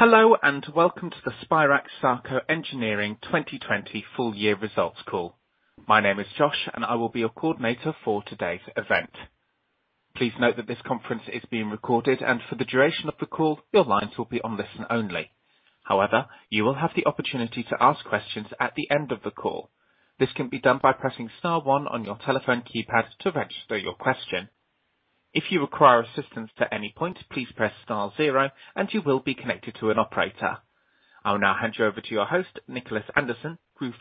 Hello and welcome to the Spirax-Sarco Engineering 2020 full-year results call. My name is Josh, and I will be your coordinator for today's event. Please note that this conference is being recorded, and for the duration of the call, your lines will be on listen only. However, you will have the opportunity to ask questions at the end of the call. This can be done by pressing star one on your telephone keypad to register your question. If you require assistance at any point, please press star zero, and you will be connected to an operator. I'll now hand you over to your host, Nicholas Anderson, Group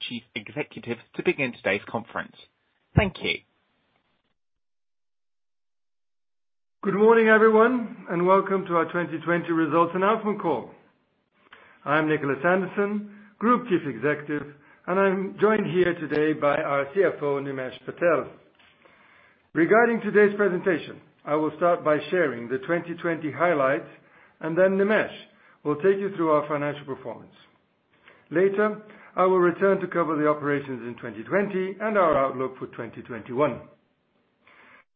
Chief Executive, to begin today's conference. Thank you. Good morning, everyone, and welcome to our 2020 results announcement call. I'm Nicholas Anderson, Group Chief Executive, and I'm joined here today by our CFO, Nimesh Patel. Regarding today's presentation, I will start by sharing the 2020 highlights, and then Nimesh will take you through our financial performance. Later, I will return to cover the operations in 2020 and our outlook for 2021.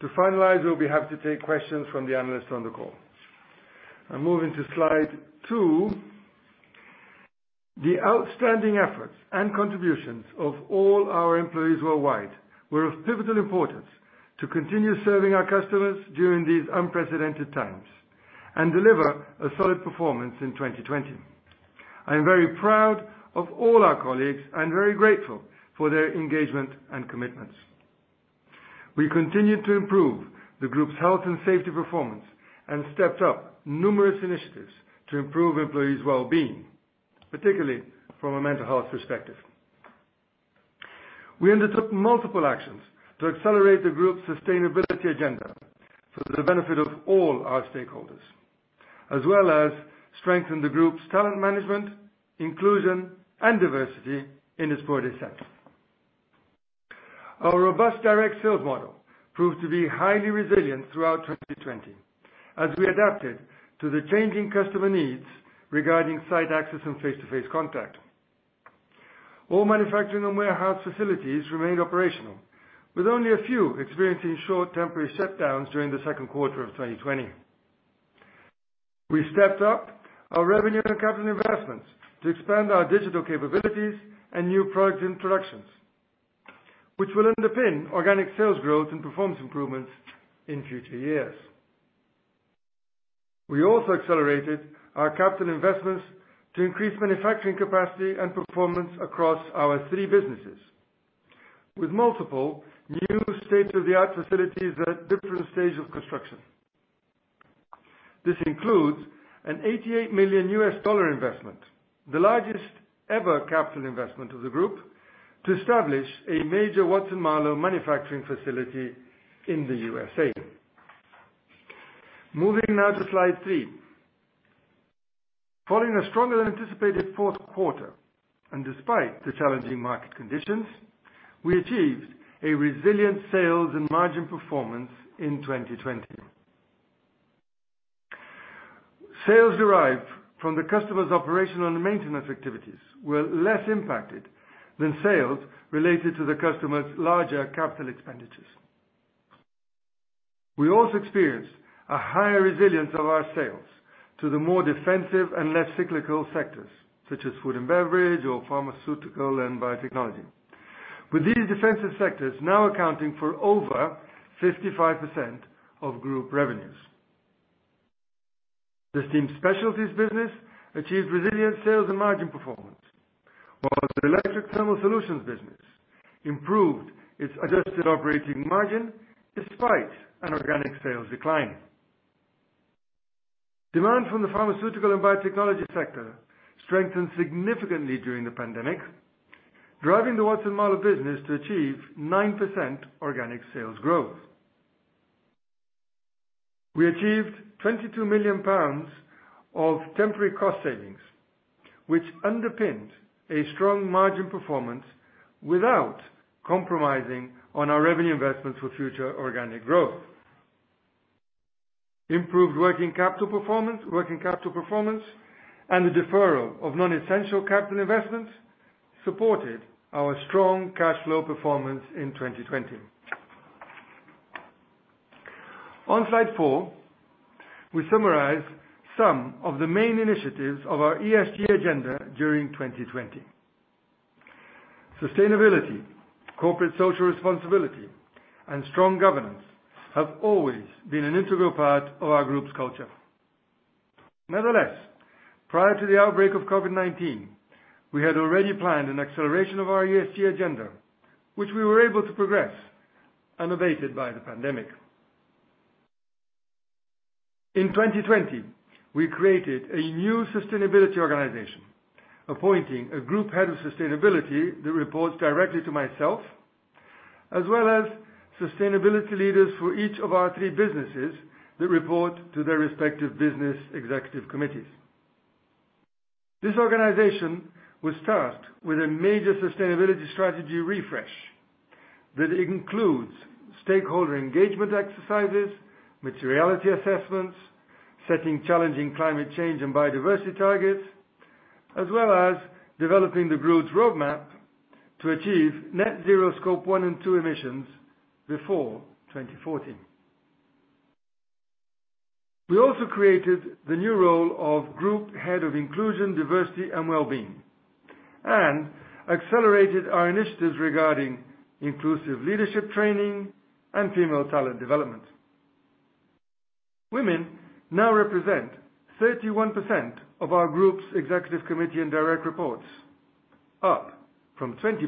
To finalize, we'll be happy to take questions from the analysts on the call. I'm moving to slide two. The outstanding efforts and contributions of all our employees worldwide were of pivotal importance to continue serving our customers during these unprecedented times and deliver a solid performance in 2020. I'm very proud of all our colleagues and very grateful for their engagement and commitments. We continued to improve the group's health and safety performance and stepped up numerous initiatives to improve employees' well-being, particularly from a mental health perspective. We undertook multiple actions to accelerate the group's sustainability agenda for the benefit of all our stakeholders, as well as strengthen the group's talent management, inclusion, and diversity in its 40 countries. Our robust direct sales model proved to be highly resilient throughout 2020 as we adapted to the changing customer needs regarding site access and face-to-face contact. All manufacturing and warehouse facilities remained operational, with only a few experiencing short temporary shutdowns during the second quarter of 2020. We stepped up our revenue and capital investments to expand our digital capabilities and new product introductions, which will underpin organic sales growth and performance improvements in future years. We also accelerated our capital investments to increase manufacturing capacity and performance across our three businesses, with multiple new state-of-the-art facilities at different stages of construction. This includes an $88 million investment, the largest ever capital investment of the group, to establish a major Watson-Marlow manufacturing facility in the USA. Moving now to slide three. Following a stronger-than-anticipated fourth quarter, and despite the challenging market conditions, we achieved a resilient sales and margin performance in 2020. Sales derived from the customer's operational and maintenance activities were less impacted than sales related to the customer's larger capital expenditures. We also experienced a higher resilience of our sales to the more defensive and less cyclical sectors, such as food and beverage or pharmaceutical and biotechnology, with these defensive sectors now accounting for over 55% of group revenues. The Steam Specialties business achieved resilient sales and margin performance, while the Electric Thermal Solutions business improved its adjusted operating margin despite an organic sales decline. Demand from the pharmaceutical and biotechnology sector strengthened significantly during the pandemic, driving the Watson-Marlow business to achieve 9% organic sales growth. We achieved 22 million pounds of temporary cost savings, which underpinned a strong margin performance without compromising on our revenue investments for future organic growth. Improved working capital performance and the deferral of non-essential capital investments supported our strong cash flow performance in 2020. On slide four, we summarize some of the main initiatives of our ESG agenda during 2020. Sustainability, corporate social responsibility, and strong governance have always been an integral part of our group's culture. Nevertheless, prior to the outbreak of COVID-19, we had already planned an acceleration of our ESG agenda, which we were able to progress, unabated by the pandemic. In 2020, we created a new sustainability organization, appointing a group head of sustainability that reports directly to myself, as well as sustainability leaders for each of our three businesses that report to their respective business executive committees. This organization was tasked with a major sustainability strategy refresh that includes stakeholder engagement exercises, materiality assessments, setting challenging climate change and biodiversity targets, as well as developing the growth roadmap to achieve net zero Scope 1 and 2 emissions before 2040. We also created the new role of group head of inclusion, diversity, and well-being, and accelerated our initiatives regarding inclusive leadership training and female talent development. Women now represent 31% of our group's executive committee and direct reports, up from 20%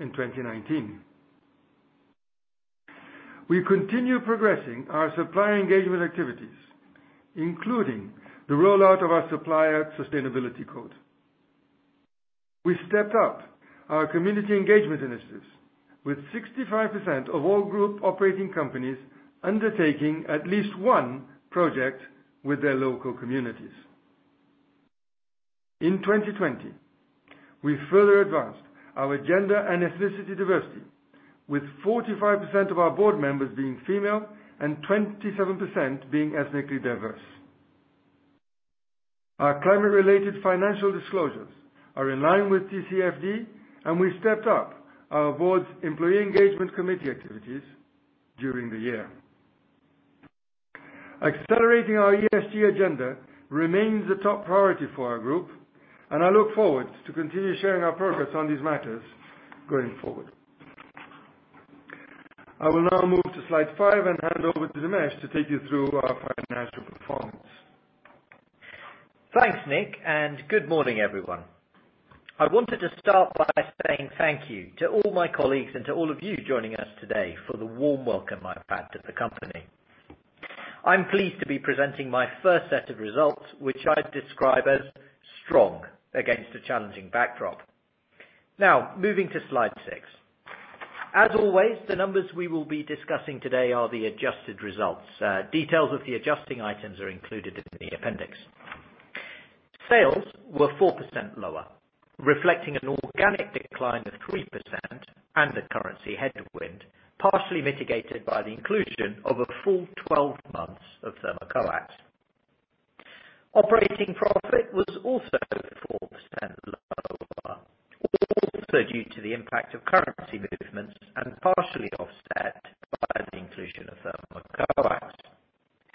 in 2019. We continue progressing our supplier engagement activities, including the rollout of our supplier sustainability code. We stepped up our community engagement initiatives, with 65% of all group operating companies undertaking at least one project with their local communities. In 2020, we further advanced our agenda and ethnicity diversity, with 45% of our board members being female and 27% being ethnically diverse. Our climate-related financial disclosures are in line with TCFD, and we stepped up our board's employee engagement committee activities during the year. Accelerating our ESG agenda remains a top priority for our group, and I look forward to continue sharing our progress on these matters going forward. I will now move to slide five and hand over to Nimesh to take you through our financial performance. Thanks, Nick, and good morning, everyone. I wanted to start by saying thank you to all my colleagues and to all of you joining us today for the warm welcome I've had to the company. I'm pleased to be presenting my first set of results, which I'd describe as strong against a challenging backdrop. Now, moving to slide six. As always, the numbers we will be discussing today are the adjusted results. Details of the adjusting items are included in the appendix. Sales were 4% lower, reflecting an organic decline of 3% and the currency headwind, partially mitigated by the inclusion of a full 12 months of Thermocoax. Operating profit was also 4% lower, also due to the impact of currency movements and partially offset by the inclusion of Thermocoax.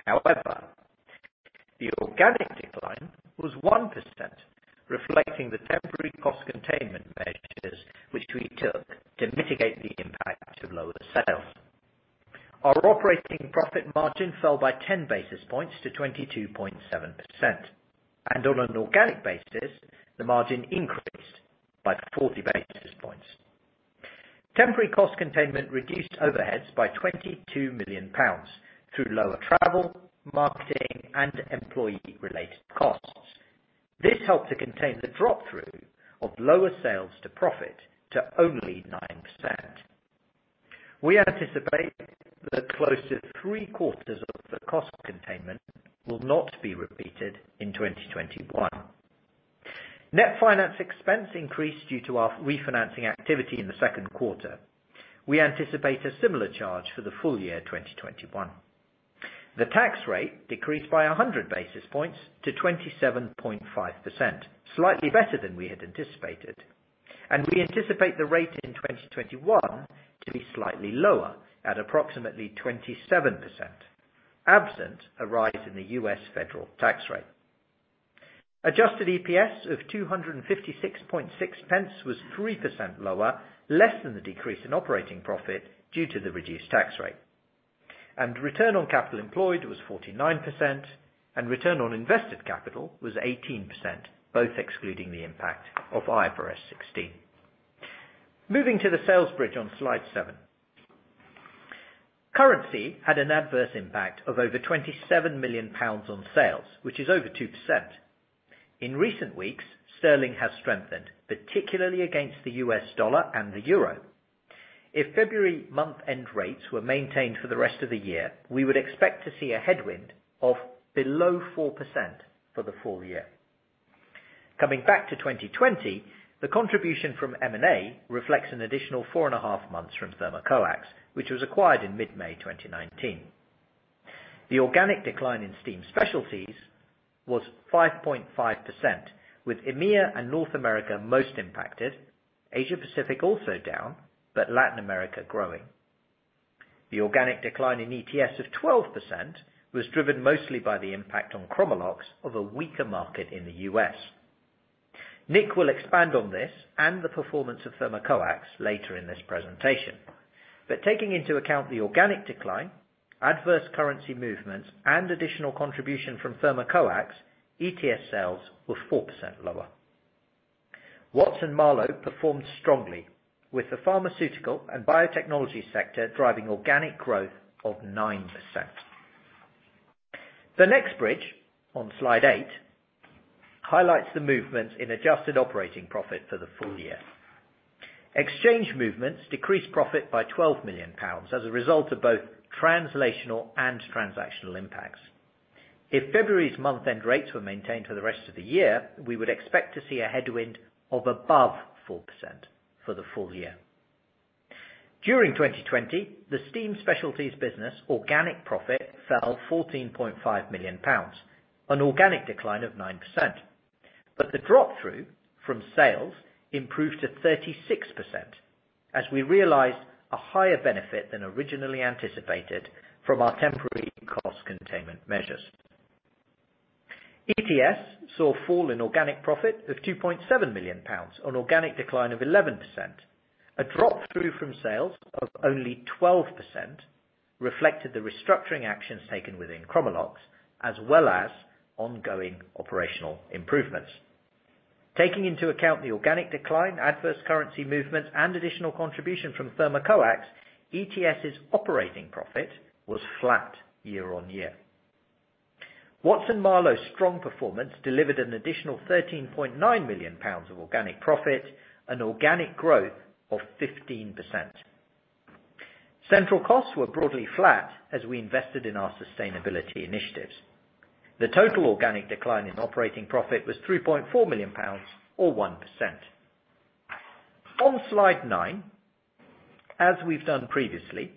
However, the organic decline was 1%, reflecting the temporary cost containment measures which we took to mitigate the impact of lower sales. Our operating profit margin fell by 10 basis points to 22.7%, and on an organic basis, the margin increased by 40 basis points. Temporary cost containment reduced overheads by 22 million pounds through lower travel, marketing, and employee-related costs. This helped to contain the drop-through of lower sales to profit to only 9%. We anticipate that close to three-quarters of the cost containment will not be repeated in 2021. Net finance expense increased due to our refinancing activity in the second quarter. We anticipate a similar charge for the full year 2021. The tax rate decreased by 100 basis points to 27.5%, slightly better than we had anticipated, and we anticipate the rate in 2021 to be slightly lower at approximately 27%, absent a rise in the U.S. federal tax rate. Adjusted EPS of 256.6 pence was 3% lower, less than the decrease in operating profit due to the reduced tax rate. Return on capital employed was 49%, and return on invested capital was 18%, both excluding the impact of IFRS 16. Moving to the sales bridge on slide seven. Currency had an adverse impact of over 27 million pounds on sales, which is over 2%. In recent weeks, sterling has strengthened, particularly against the U.S. dollar and the euro. If February month-end rates were maintained for the rest of the year, we would expect to see a headwind of below 4% for the full year. Coming back to 2020, the contribution from M&A reflects an additional four and a half months from Thermocoax, which was acquired in mid-May 2019. The organic decline in Steam Specialties was 5.5%, with EMEA and North America most impacted, Asia-Pacific also down, but Latin America growing. The organic decline in ETS of 12% was driven mostly by the impact on Chromalox of a weaker market in the U.S. Nick will expand on this and the performance of Thermocoax later in this presentation. But taking into account the organic decline, adverse currency movements, and additional contribution from Thermocoax, ETS sales were 4% lower. Watson-Marlow performed strongly, with the pharmaceutical and biotechnology sector driving organic growth of 9%. The next bridge on slide eight highlights the movements in adjusted operating profit for the full year. Exchange movements decreased profit by 12 million pounds as a result of both translational and transactional impacts. If February's month-end rates were maintained for the rest of the year, we would expect to see a headwind of above 4% for the full year. During 2020, the Steam Specialties business organic profit fell 14.5 million pounds, an organic decline of 9%. But the drop-through from sales improved to 36%, as we realized a higher benefit than originally anticipated from our temporary cost containment measures. ETS saw a fall in organic profit of 2.7 million pounds on organic decline of 11%. A drop-through from sales of only 12% reflected the restructuring actions taken within Chromalox, as well as ongoing operational improvements. Taking into account the organic decline, adverse currency movements, and additional contribution from Thermocoax, ETS's operating profit was flat year on year. Watson-Marlow's strong performance delivered an additional 13.9 million pounds of organic profit, an organic growth of 15%. Central costs were broadly flat as we invested in our sustainability initiatives. The total organic decline in operating profit was 3.4 million pounds, or 1%. On slide nine, as we've done previously,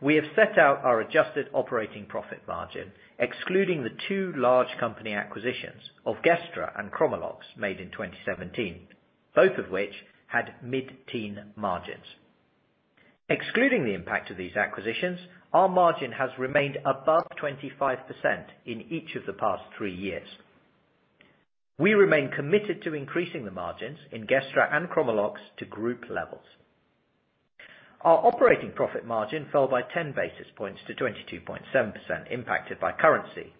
we have set out our adjusted operating profit margin, excluding the two large company acquisitions of Gestra and Chromalox made in 2017, both of which had mid-teen margins. Excluding the impact of these acquisitions, our margin has remained above 25% in each of the past three years. We remain committed to increasing the margins in Gestra and Chromalox to group levels. Our operating profit margin fell by 10 basis points to 22.7%, impacted by currency.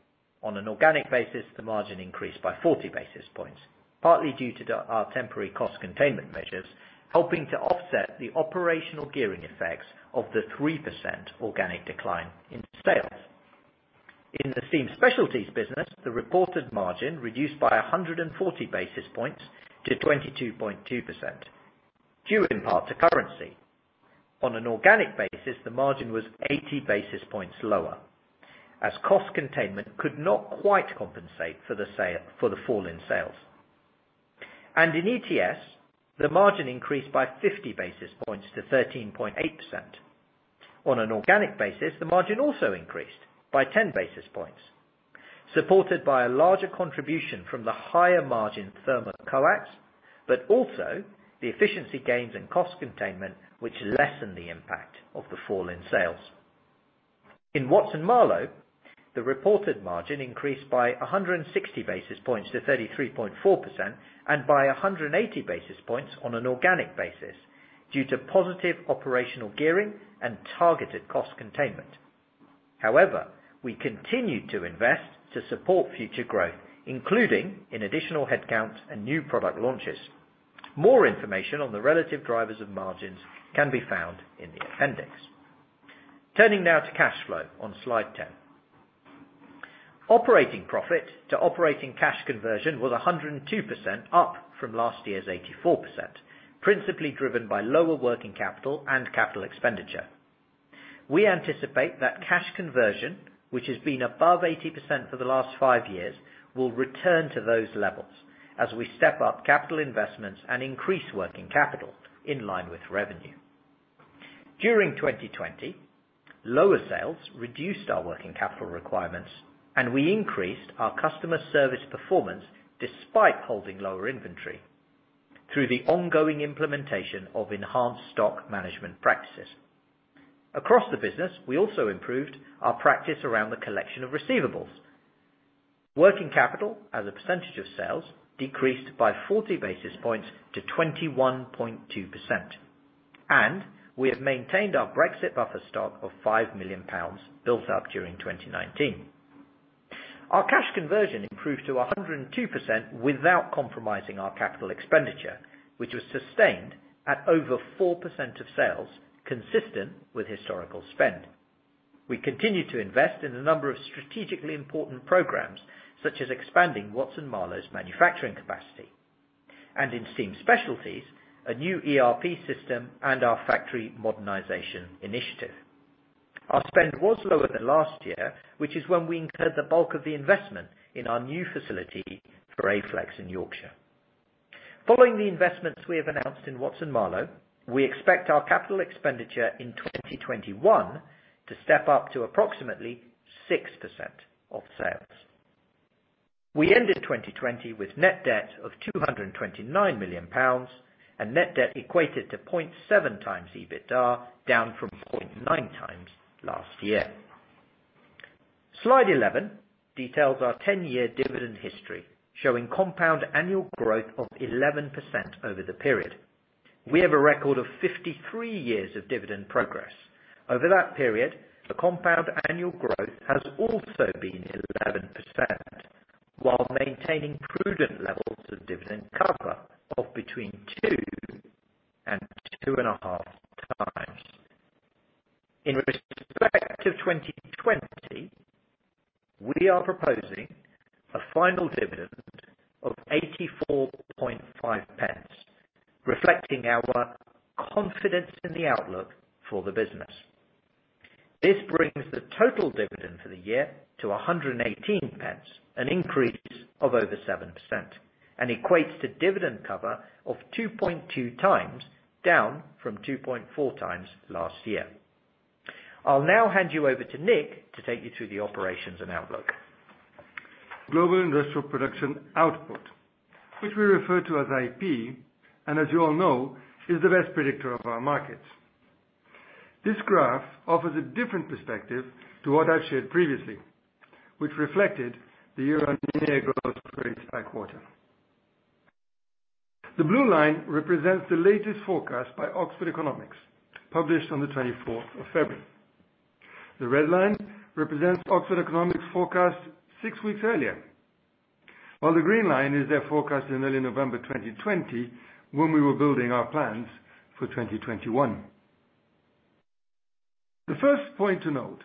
On an organic basis, the margin increased by 40 basis points, partly due to our temporary cost containment measures, helping to offset the operational gearing effects of the 3% organic decline in sales. In the Steam Specialties business, the reported margin reduced by 140 basis points to 22.2%, due in part to currency. On an organic basis, the margin was 80 basis points lower, as cost containment could not quite compensate for the fall in sales. And in ETS, the margin increased by 50 basis points to 13.8%. On an organic basis, the margin also increased by 10 basis points, supported by a larger contribution from the higher margin Thermocoax, but also the efficiency gains and cost containment, which lessened the impact of the fall in sales. In Watson-Marlow, the reported margin increased by 160 basis points to 33.4% and by 180 basis points on an organic basis, due to positive operational gearing and targeted cost containment. However, we continue to invest to support future growth, including in additional headcounts and new product launches. More information on the relative drivers of margins can be found in the appendix. Turning now to cash flow on slide 10. Operating profit to operating cash conversion was 102%, up from last year's 84%, principally driven by lower working capital and capital expenditure. We anticipate that cash conversion, which has been above 80% for the last five years, will return to those levels as we step up capital investments and increase working capital in line with revenue. During 2020, lower sales reduced our working capital requirements, and we increased our customer service performance despite holding lower inventory through the ongoing implementation of enhanced stock management practices. Across the business, we also improved our practice around the collection of receivables. Working capital as a percentage of sales decreased by 40 basis points to 21.2%, and we have maintained our Brexit buffer stock of 5 million pounds built up during 2019. Our cash conversion improved to 102% without compromising our capital expenditure, which was sustained at over 4% of sales, consistent with historical spend. We continue to invest in a number of strategically important programs, such as expanding Watson-Marlow's manufacturing capacity, and in Steam Specialties, a new ERP system and our factory modernization initiative. Our spend was lower than last year, which is when we incurred the bulk of the investment in our new facility for Aflex in Yorkshire. Following the investments we have announced in Watson-Marlow, we expect our capital expenditure in 2021 to step up to approximately 6% of sales. We ended 2020 with net debt of GBP 229 million, and net debt equated to 0.7x EBITDA, down from 0.9x last year. Slide 11 details our 10-year dividend history, showing compound annual growth of 11% over the period. We have a record of 53 years of dividend progress. Over that period, the compound annual growth has also been 11%, while maintaining prudent levels of dividend cover of between two and two and a half times. In respect of 2020, we are proposing a final dividend of 84.5 pence, reflecting our confidence in the outlook for the business. This brings the total dividend for the year to 118 pence, an increase of over 7%, and equates to dividend cover of 2.2x, down from 2.4x last year. I'll now hand you over to Nick to take you through the operations and outlook. Global industrial production output, which we refer to as IP, and as you all know, is the best predictor of our markets. This graph offers a different perspective to what I've shared previously, which reflected the year-on-year growth rates by quarter. The blue line represents the latest forecast by Oxford Economics, published on the 24th of February. The red line represents Oxford Economics' forecast six weeks earlier, while the green line is their forecast in early November 2020, when we were building our plans for 2021. The first point to note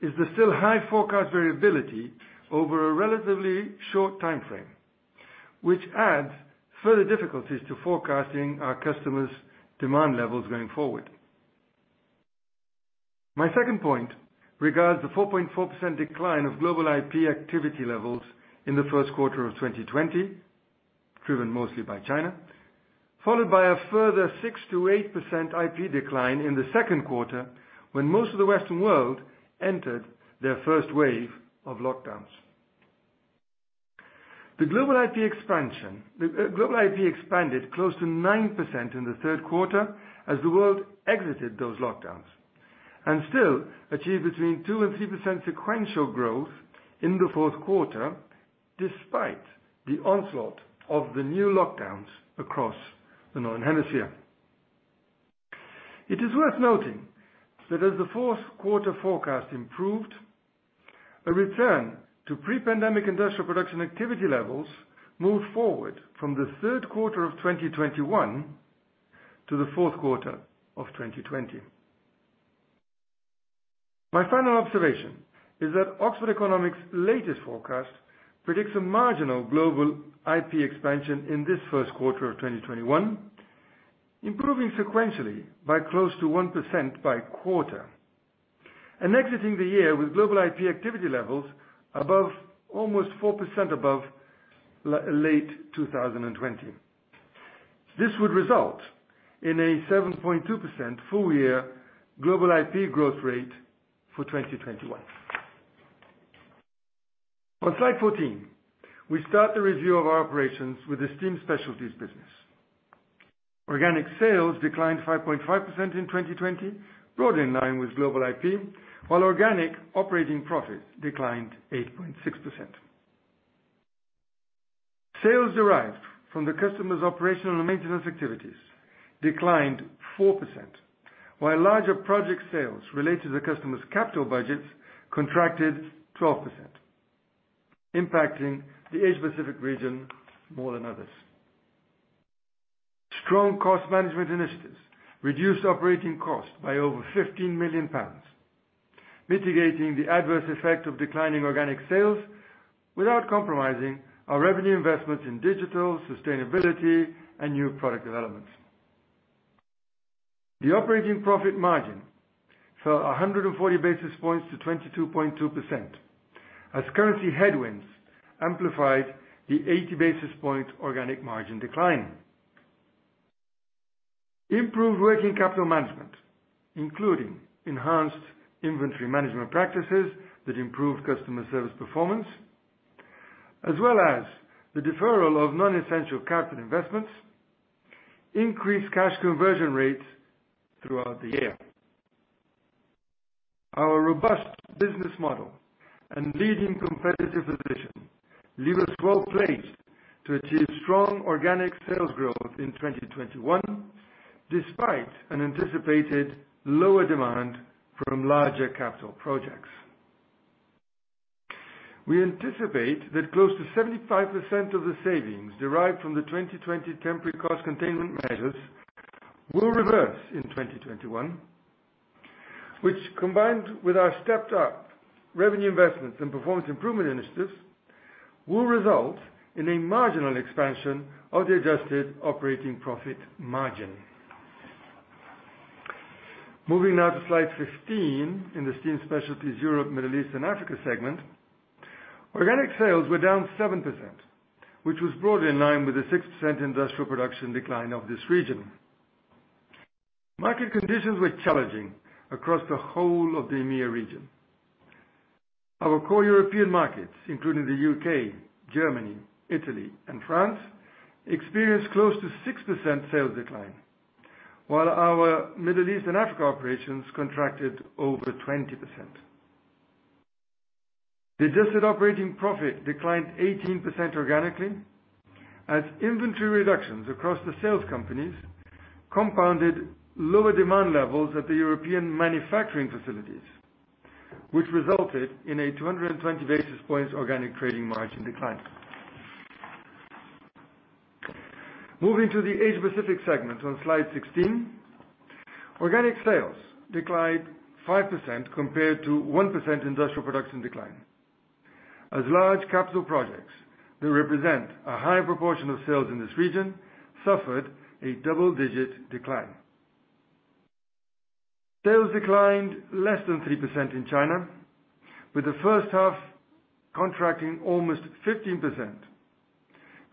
is the still high forecast variability over a relatively short timeframe, which adds further difficulties to forecasting our customers' demand levels going forward. My second point regards the 4.4% decline of global IP activity levels in the first quarter of 2020, driven mostly by China, followed by a further 6%-8% IP decline in the second quarter when most of the Western world entered their first wave of lockdowns. The global IP expanded close to 9% in the third quarter as the world exited those lockdowns, and still achieved between 2% and 3% sequential growth in the fourth quarter, despite the onslaught of the new lockdowns across the Northern Hemisphere. It is worth noting that as the fourth quarter forecast improved, a return to pre-pandemic industrial production activity levels moved forward from the third quarter of 2021 to the fourth quarter of 2020. My final observation is that Oxford Economics' latest forecast predicts a marginal global IP expansion in this first quarter of 2021, improving sequentially by close to 1% by quarter, and exiting the year with global IP activity levels almost 4% above late 2020. This would result in a 7.2% full-year global IP growth rate for 2021. On slide 14, we start the review of our operations with the Steam Specialties business. Organic sales declined 5.5% in 2020, broadly in line with global IP, while organic operating profits declined 8.6%. Sales derived from the customer's operational and maintenance activities declined 4%, while larger project sales related to the customer's capital budgets contracted 12%, impacting the Asia-Pacific region more than others. Strong cost management initiatives reduced operating costs by over 15 million pounds, mitigating the adverse effect of declining organic sales without compromising our revenue investments in digital sustainability and new product developments. The operating profit margin fell 140 basis points to 22.2%, as currency headwinds amplified the 80 basis point organic margin decline. Improved working capital management, including enhanced inventory management practices that improved customer service performance, as well as the deferral of non-essential capital investments, increased cash conversion rates throughout the year. Our robust business model and leading competitive position leave us well placed to achieve strong organic sales growth in 2021, despite an anticipated lower demand from larger capital projects. We anticipate that close to 75% of the savings derived from the 2020 temporary cost containment measures will reverse in 2021, which, combined with our stepped-up revenue investments and performance improvement initiatives, will result in a marginal expansion of the adjusted operating profit margin. Moving now to slide 15 in the Steam Specialties Europe, Middle East, and Africa segment, organic sales were down 7%, which was broadly in line with the 6% industrial production decline of this region. Market conditions were challenging across the whole of the EMEA region. Our core European markets, including the UK, Germany, Italy, and France, experienced close to 6% sales decline, while our Middle East and Africa operations contracted over 20%. The adjusted operating profit declined 18% organically, as inventory reductions across the sales companies compounded lower demand levels at the European manufacturing facilities, which resulted in a 220 basis points organic trading margin decline. Moving to the Asia-Pacific segment on slide 16, organic sales declined 5% compared to 1% industrial production decline, as large capital projects that represent a high proportion of sales in this region suffered a double-digit decline. Sales declined less than 3% in China, with the first half contracting almost 15%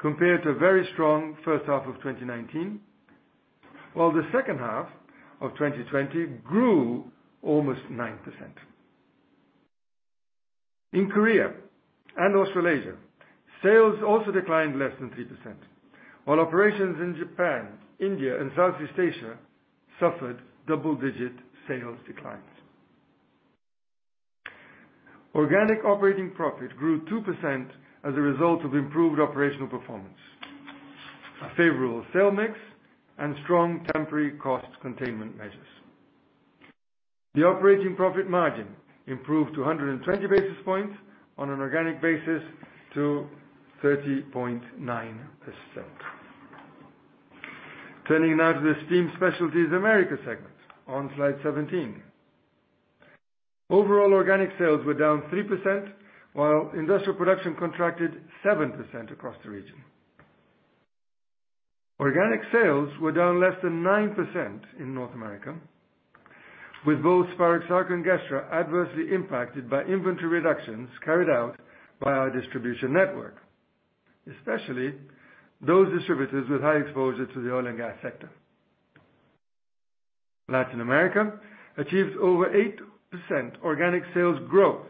compared to a very strong first half of 2019, while the second half of 2020 grew almost 9%. In Korea and Australasia, sales also declined less than 3%, while operations in Japan, India, and Southeast Asia suffered double-digit sales declines. Organic operating profit grew 2% as a result of improved operational performance, a favorable sale mix, and strong temporary cost containment measures. The operating profit margin improved to 120 basis points on an organic basis to 30.9%. Turning now to the Steam Specialties Americas segment on slide 17, overall organic sales were down 3%, while industrial production contracted 7% across the region. Organic sales were down less than 9% in North America, with both Spirax and Gestra adversely impacted by inventory reductions carried out by our distribution network, especially those distributors with high exposure to the oil and gas sector. Latin America achieved over 8% organic sales growth,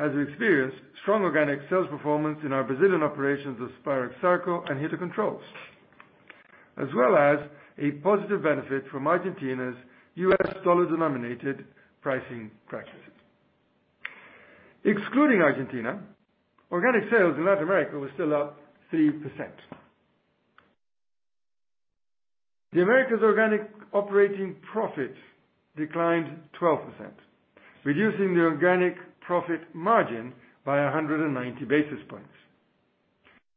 as we experienced strong organic sales performance in our Brazilian operations of Spirax and Hiter Controls, as well as a positive benefit from Argentina's U.S. dollar-denominated pricing practices. Excluding Argentina, organic sales in Latin America were still up 3%. The Americas' organic operating profit declined 12%, reducing the organic profit margin by 190 basis points.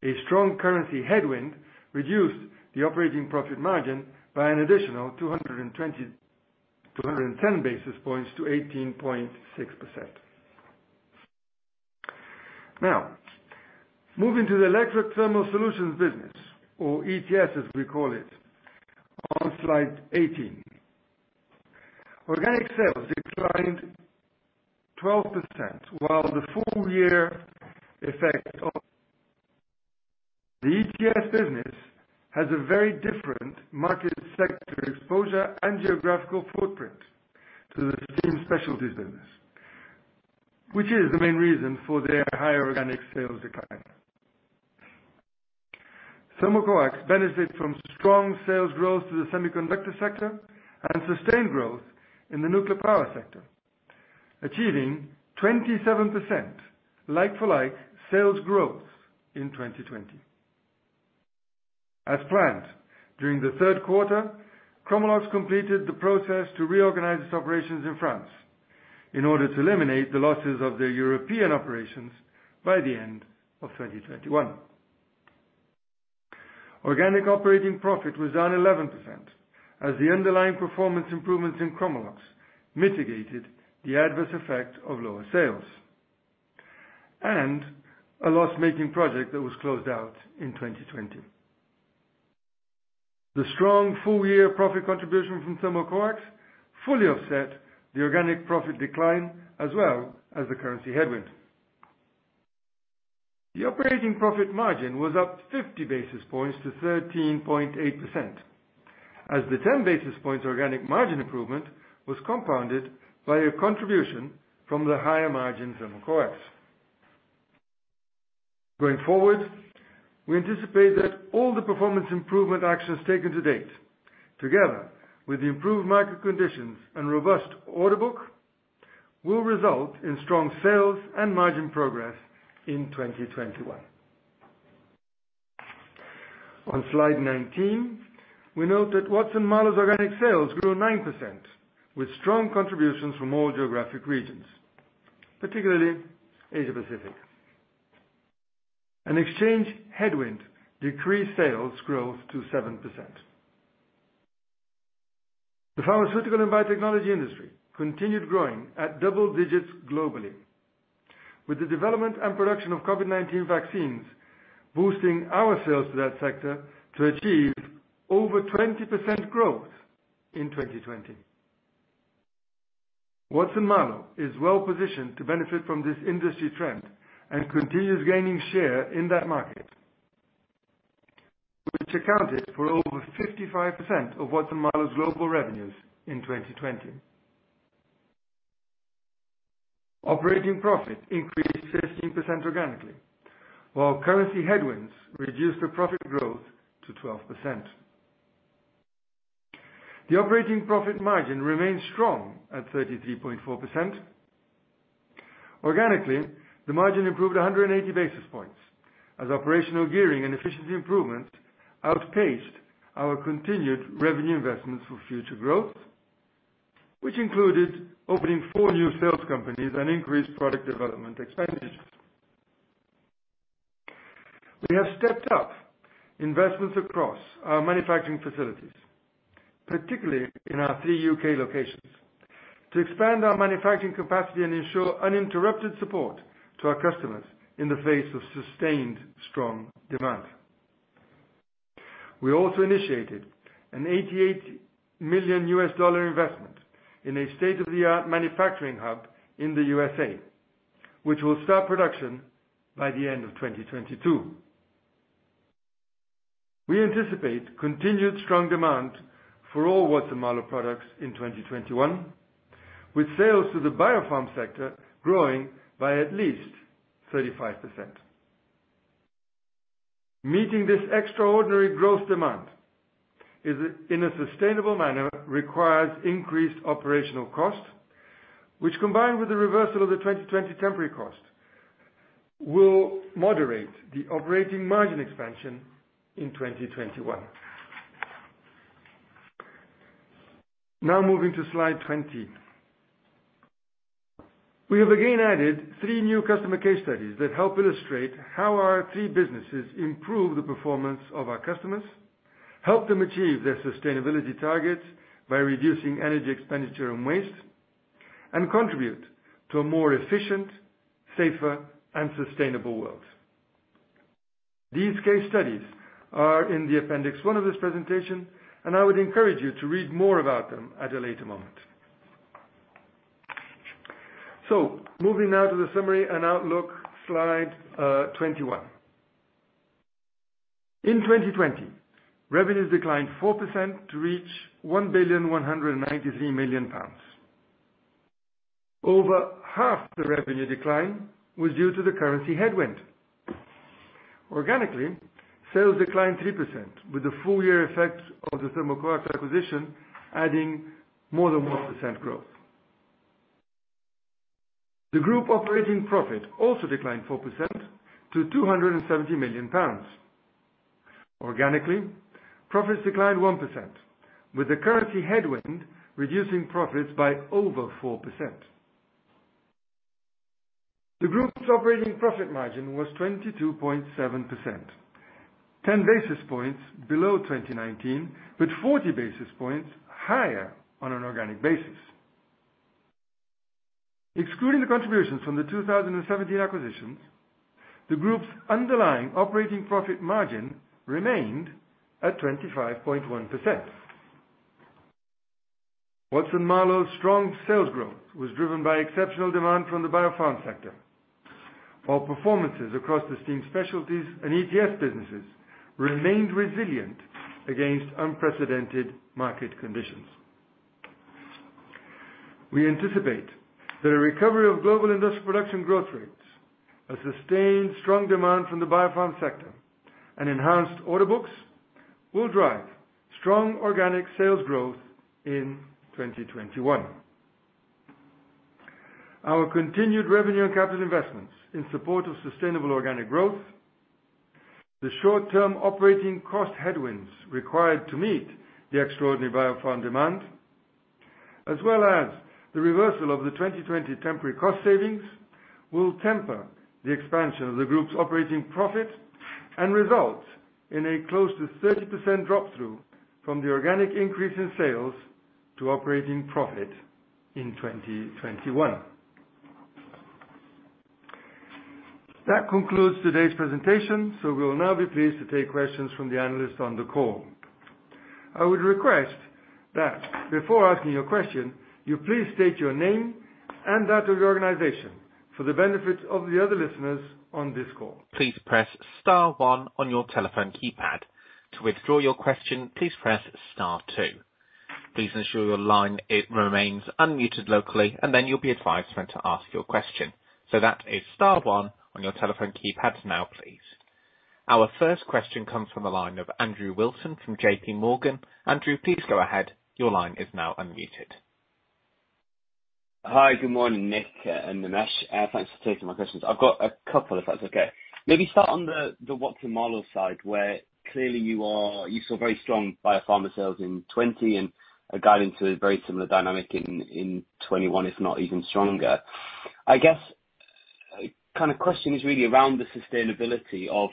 A strong currency headwind reduced the operating profit margin by an additional 210 basis points to 18.6%. Now, moving to the Electric Thermal Solutions business, or ETS, as we call it, on slide 18, organic sales declined 12%, while the full-year effect of the ETS business has a very different market sector exposure and geographical footprint to the Steam Specialties business, which is the main reason for their higher organic sales decline. Thermocoax benefits from strong sales growth to the semiconductor sector and sustained growth in the nuclear power sector, achieving 27% like-for-like sales growth in 2020. As planned, during the third quarter, Chromalox completed the process to reorganize its operations in France in order to eliminate the losses of their European operations by the end of 2021. Organic operating profit was down 11%, as the underlying performance improvements in Chromalox mitigated the adverse effect of lower sales and a loss-making project that was closed out in 2020. The strong full-year profit contribution from Thermocoax fully offset the organic profit decline, as well as the currency headwind. The operating profit margin was up 50 basis points to 13.8%, as the 10 basis points organic margin improvement was compounded by a contribution from the higher margin Thermocoax. Going forward, we anticipate that all the performance improvement actions taken to date, together with the improved market conditions and robust order book, will result in strong sales and margin progress in 2021. On slide 19, we note that Watson-Marlow organic sales grew 9%, with strong contributions from all geographic regions, particularly Asia-Pacific. An exchange headwind decreased sales growth to 7%. The pharmaceutical and biotechnology industry continued growing at double digits globally, with the development and production of COVID-19 vaccines boosting our sales to that sector to achieve over 20% growth in 2020. Watson-Marlow is well positioned to benefit from this industry trend and continues gaining share in that market, which accounted for over 55% of Watson-Marlow's global revenues in 2020. Operating profit increased 15% organically, while currency headwinds reduced the profit growth to 12%. The operating profit margin remained strong at 33.4%. Organically, the margin improved 180 basis points, as operational gearing and efficiency improvements outpaced our continued revenue investments for future growth, which included opening four new sales companies and increased product development expenditures. We have stepped up investments across our manufacturing facilities, particularly in our three U.K. locations, to expand our manufacturing capacity and ensure uninterrupted support to our customers in the face of sustained strong demand. We also initiated a $88 million investment in a state-of-the-art manufacturing hub in the USA, which will start production by the end of 2022. We anticipate continued strong demand for all Watson-Marlow products in 2021, with sales to the Biopharm sector growing by at least 35%. Meeting this extraordinary growth demand in a sustainable manner requires increased operational costs, which, combined with the reversal of the 2020 temporary cost, will moderate the operating margin expansion in 2021. Now, moving to slide 20, we have again added three new customer case studies that help illustrate how our three businesses improve the performance of our customers, help them achieve their sustainability targets by reducing energy expenditure and waste, and contribute to a more efficient, safer, and sustainable world. These case studies are in the appendix one of this presentation, and I would encourage you to read more about them at a later moment. So, moving now to the summary and outlook slide 21. In 2020, revenues declined 4% to reach 1.193 billion pounds. Over half the revenue decline was due to the currency headwind. Organically, sales declined 3%, with the full-year effect of the Thermocoax acquisition adding more than 1% growth. The group operating profit also declined 4% to 270 million pounds. Organically, profits declined 1%, with the currency headwind reducing profits by over 4%. The group's operating profit margin was 22.7%, 10 basis points below 2019, but 40 basis points higher on an organic basis. Excluding the contributions from the 2017 acquisitions, the group's underlying operating profit margin remained at 25.1%. Watson-Marlow's strong sales growth was driven by exceptional demand from the Biopharm sector, while performances across the steam specialties and ETS businesses remained resilient against unprecedented market conditions. We anticipate that a recovery of global industrial production growth rates, a sustained strong demand from the Biopharm sector, and enhanced order books will drive strong organic sales growth in 2021. Our continued revenue and capital investments in support of sustainable organic growth, the short-term operating cost headwinds required to meet the extraordinary Biopharm demand, as well as the reversal of the 2020 temporary cost savings, will temper the expansion of the group's operating profit and result in a close to 30% drop-through from the organic increase in sales to operating profit in 2021. That concludes today's presentation, so we'll now be pleased to take questions from the analysts on the call. I would request that, before asking your question, you please state your name and that of your organization for the benefit of the other listeners on this call. Please press star one on your telephone keypad. To withdraw your question, please press star two. Please ensure your line remains unmuted locally, and then you'll be advised when to ask your question. So that is star one on your telephone keypad now, please. Our first question comes from the line of Andrew Wilson from JPMorgan. Andrew, please go ahead. Your line is now unmuted. Hi, good morning, Nick and Nimesh. Thanks for taking my questions. I've got a couple if that's okay. Maybe start on the Watson-Marlow side, where clearly you saw very strong Biopharma sales in 2020 and a guidance to a very similar dynamic in 2021, if not even stronger. I guess the kind of question is really around the sustainability of,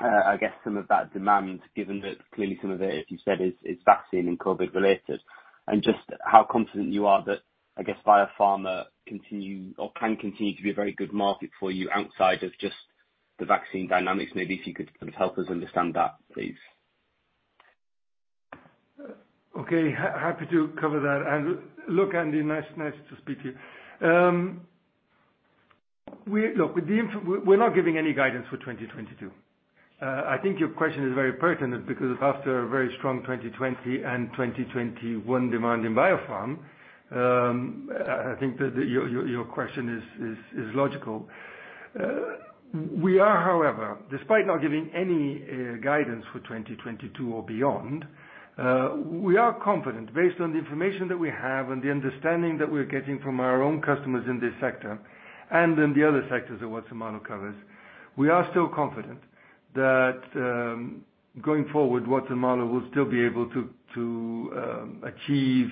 I guess, some of that demand, given that clearly some of it, as you said, is vaccine and COVID-related, and just how confident you are that, I guess, Biopharma can continue to be a very good market for you outside of just the vaccine dynamics. Maybe if you could sort of help us understand that, please. Okay. Happy to cover that. And look, Andrew, nice to speak to you. Look, we're not giving any guidance for 2022. I think your question is very pertinent because after a very strong 2020 and 2021 demand in Biopharm, I think that your question is logical. We are, however, despite not giving any guidance for 2022 or beyond, we are confident, based on the information that we have and the understanding that we're getting from our own customers in this sector and in the other sectors that Watson-Marlow covers, we are still confident that going forward, Watson-Marlow will still be able to achieve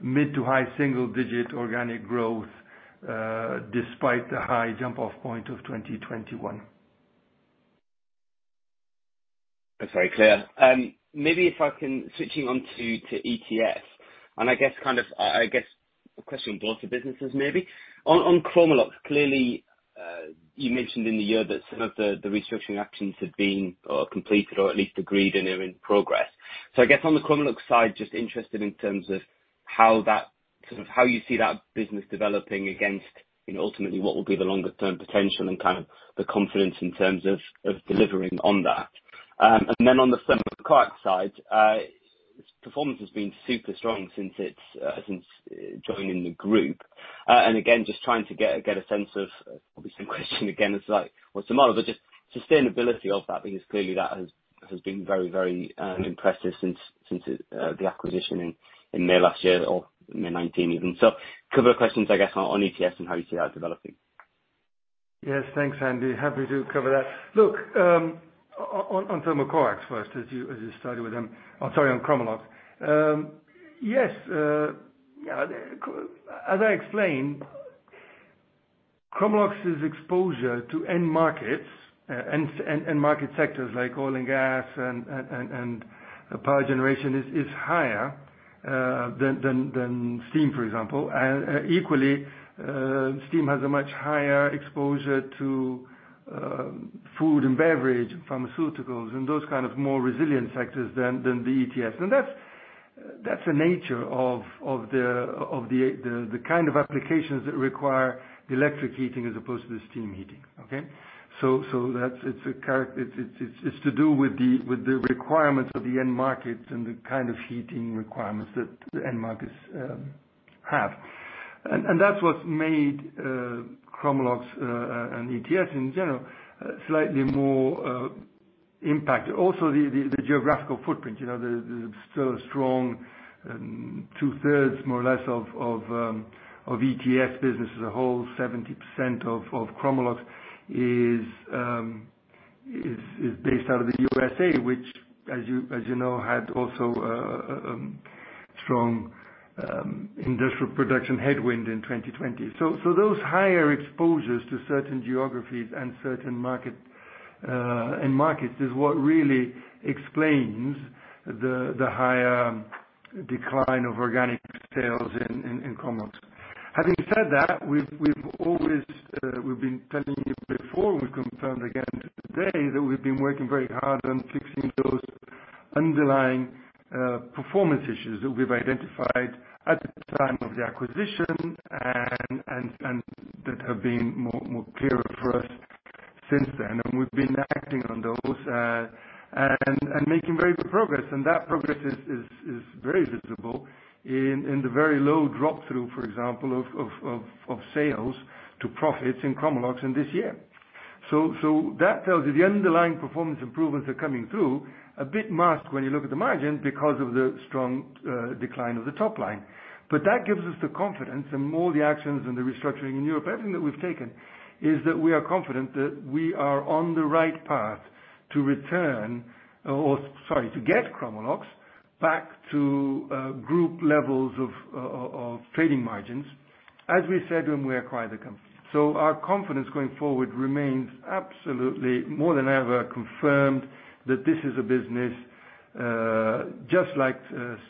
mid- to high-single-digit organic growth despite the high jump-off point of 2021. That's very clear. Maybe if I can switch on to ETS, and I guess kind of a question both for businesses maybe. On Chromalox, clearly you mentioned in the year that some of the restructuring actions had been completed or at least agreed and are in progress. So I guess on the Chromalox side, just interested in terms of how you see that business developing against ultimately what will be the longer-term potential and kind of the confidence in terms of delivering on that. And then on the Thermocoax side, performance has been super strong since joining the group. And again, just trying to get a sense of, probably same question again as Watson-Marlow, but just sustainability of that, because clearly that has been very, very impressive since the acquisition in May last year or May 2019 even. So a couple of questions, I guess, on ETS and how you see that developing. Yes, thanks, Andrew. Happy to cover that. Look, on Thermocoax first, as you started with them, or sorry, on Chromalox. Yes, as I explained, Chromalox's exposure to end markets and market sectors like oil and gas and power generation is higher than steam, for example. And equally, steam has a much higher exposure to food and beverage, pharmaceuticals, and those kind of more resilient sectors than the ETS. And that's the nature of the kind of applications that require electric heating as opposed to the steam heating, okay? So it's to do with the requirements of the end markets and the kind of heating requirements that the end markets have. And that's what's made Chromalox and ETS in general slightly more impacted. Also, the geographical footprint. There's still a strong two-thirds, more or less, of ETS business as a whole. 70% of Chromalox is based out of the USA, which, as you know, had also a strong industrial production headwind in 2020, so those higher exposures to certain geographies and certain markets is what really explains the higher decline of organic sales in Chromalox. Having said that, we've always been telling you before, and we've confirmed again today that we've been working very hard on fixing those underlying performance issues that we've identified at the time of the acquisition and that have been more clear for us since then, and we've been acting on those and making very good progress, and that progress is very visible in the very low drop-through, for example, of sales to profits in Chromalox in this year. So that tells you the underlying performance improvements are coming through, a bit masked when you look at the margin because of the strong decline of the top line. But that gives us the confidence, and all the actions and the restructuring in Europe, everything that we've taken, is that we are confident that we are on the right path to return or, sorry, to get Chromalox back to group levels of trading margins, as we said when we acquired the company. So our confidence going forward remains absolutely more than ever confirmed that this is a business just like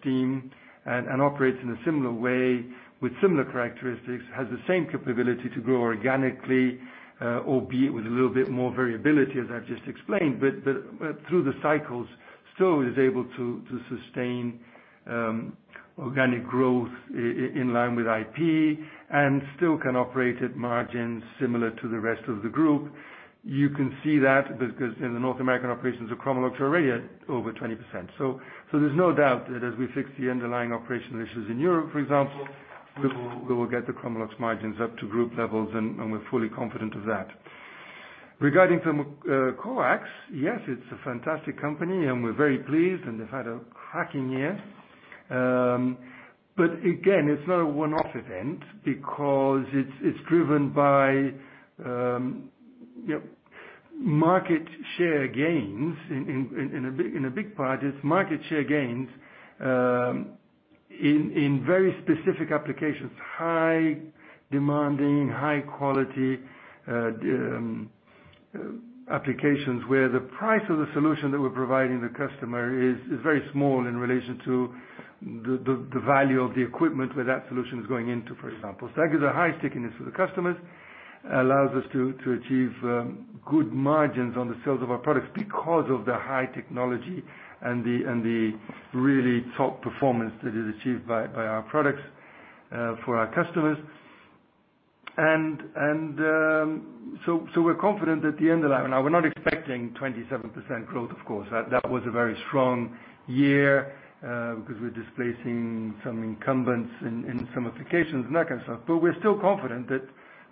steam and operates in a similar way with similar characteristics, has the same capability to grow organically, albeit with a little bit more variability, as I've just explained, but through the cycles still is able to sustain organic growth in line with IP and still can operate at margins similar to the rest of the group. You can see that because in the North American operations, the Chromalox are already at over 20%. So there's no doubt that as we fix the underlying operational issues in Europe, for example, we will get the Chromalox margins up to group levels, and we're fully confident of that. Regarding Thermocoax, yes, it's a fantastic company, and we're very pleased, and they've had a cracking year. But again, it's not a one-off event because it's driven by market share gains. In a big part, it's market share gains in very specific applications, high-demanding, high-quality applications where the price of the solution that we're providing the customer is very small in relation to the value of the equipment where that solution is going into, for example. So that gives a high stickiness for the customers, allows us to achieve good margins on the sales of our products because of the high technology and the really top performance that is achieved by our products for our customers. And so we're confident that the end of that now, we're not expecting 27% growth, of course. That was a very strong year because we're displacing some incumbents in some applications and that kind of stuff. But we're still confident that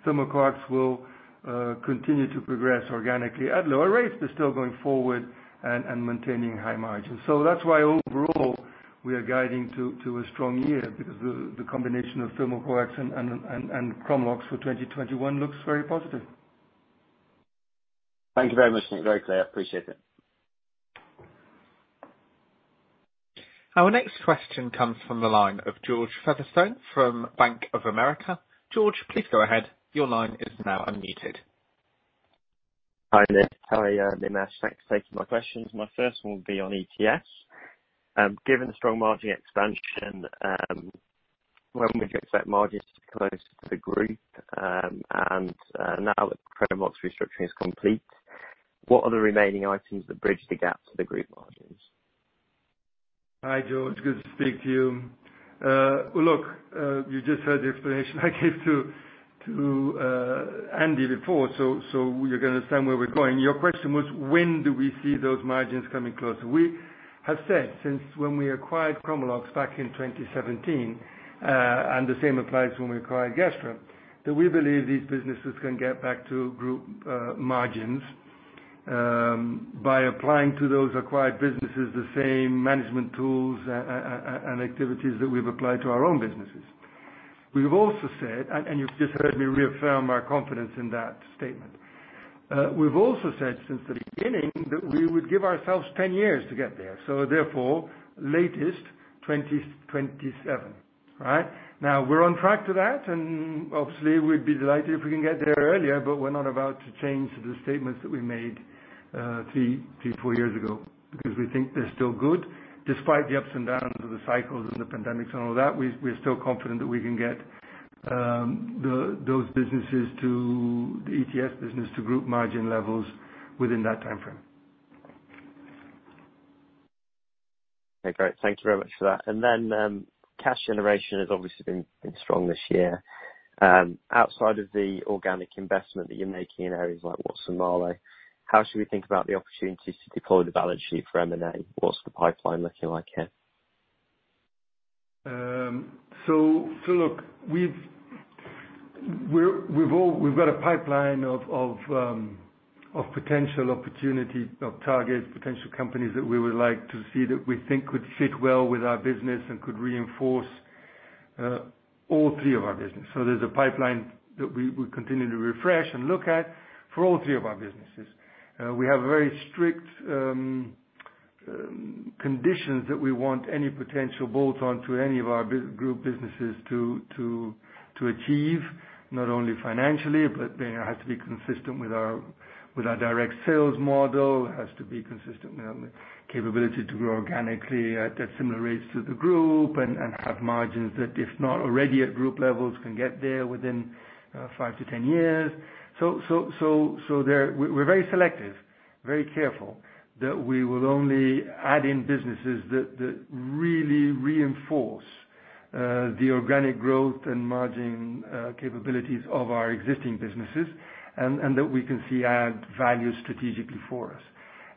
Thermocoax will continue to progress organically at lower rates, but still going forward and maintaining high margins. So that's why overall we are guiding to a strong year because the combination of Thermocoax and Chromalox for 2021 looks very positive. Thank you very much, Nick. Very clear. I appreciate it. Our next question comes from the line of George Featherstone from Bank of America. George, please go ahead. Your line is now unmuted. Hi, Nick. Hi, Nimesh. Thanks for taking my questions. My first one would be on ETS. Given the strong margin expansion, when would you expect margins to close to the group? And now that the Chromalox restructuring is complete, what are the remaining items that bridge the gap to the group margins? Hi, George. Good to speak to you. Look, you just heard the explanation I gave to Andrew before, so you're going to understand where we're going. Your question was, when do we see those margins coming closer? We have said since when we acquired Chromalox back in 2017, and the same applies when we acquired Gestra, that we believe these businesses can get back to group margins by applying to those acquired businesses the same management tools and activities that we've applied to our own businesses. We've also said, and you've just heard me reaffirm our confidence in that statement. We've also said since the beginning that we would give ourselves 10 years to get there. Therefore, latest 2027, right? Now, we're on track to that, and obviously, we'd be delighted if we can get there earlier, but we're not about to change the statements that we made three, four years ago because we think they're still good. Despite the ups and downs of the cycles and the pandemics and all that, we're still confident that we can get those businesses to the ETS business to group margin levels within that timeframe. Okay, great. Thank you very much for that. And then cash generation has obviously been strong this year. Outside of the organic investment that you're making in areas like Watson-Marlow, how should we think about the opportunities to deploy the balance sheet for M&A? What's the pipeline looking like here? So look, we've got a pipeline of potential opportunity of targets, potential companies that we would like to see that we think could fit well with our business and could reinforce all three of our businesses. So there's a pipeline that we continue to refresh and look at for all three of our businesses. We have very strict conditions that we want any potential bolt-on to any of our group businesses to achieve, not only financially, but it has to be consistent with our direct sales model, has to be consistent with the capability to grow organically at similar rates to the group, and have margins that, if not already at group levels, can get there within five to 10 years. So we're very selective, very careful that we will only add in businesses that really reinforce the organic growth and margin capabilities of our existing businesses and that we can see add value strategically for us.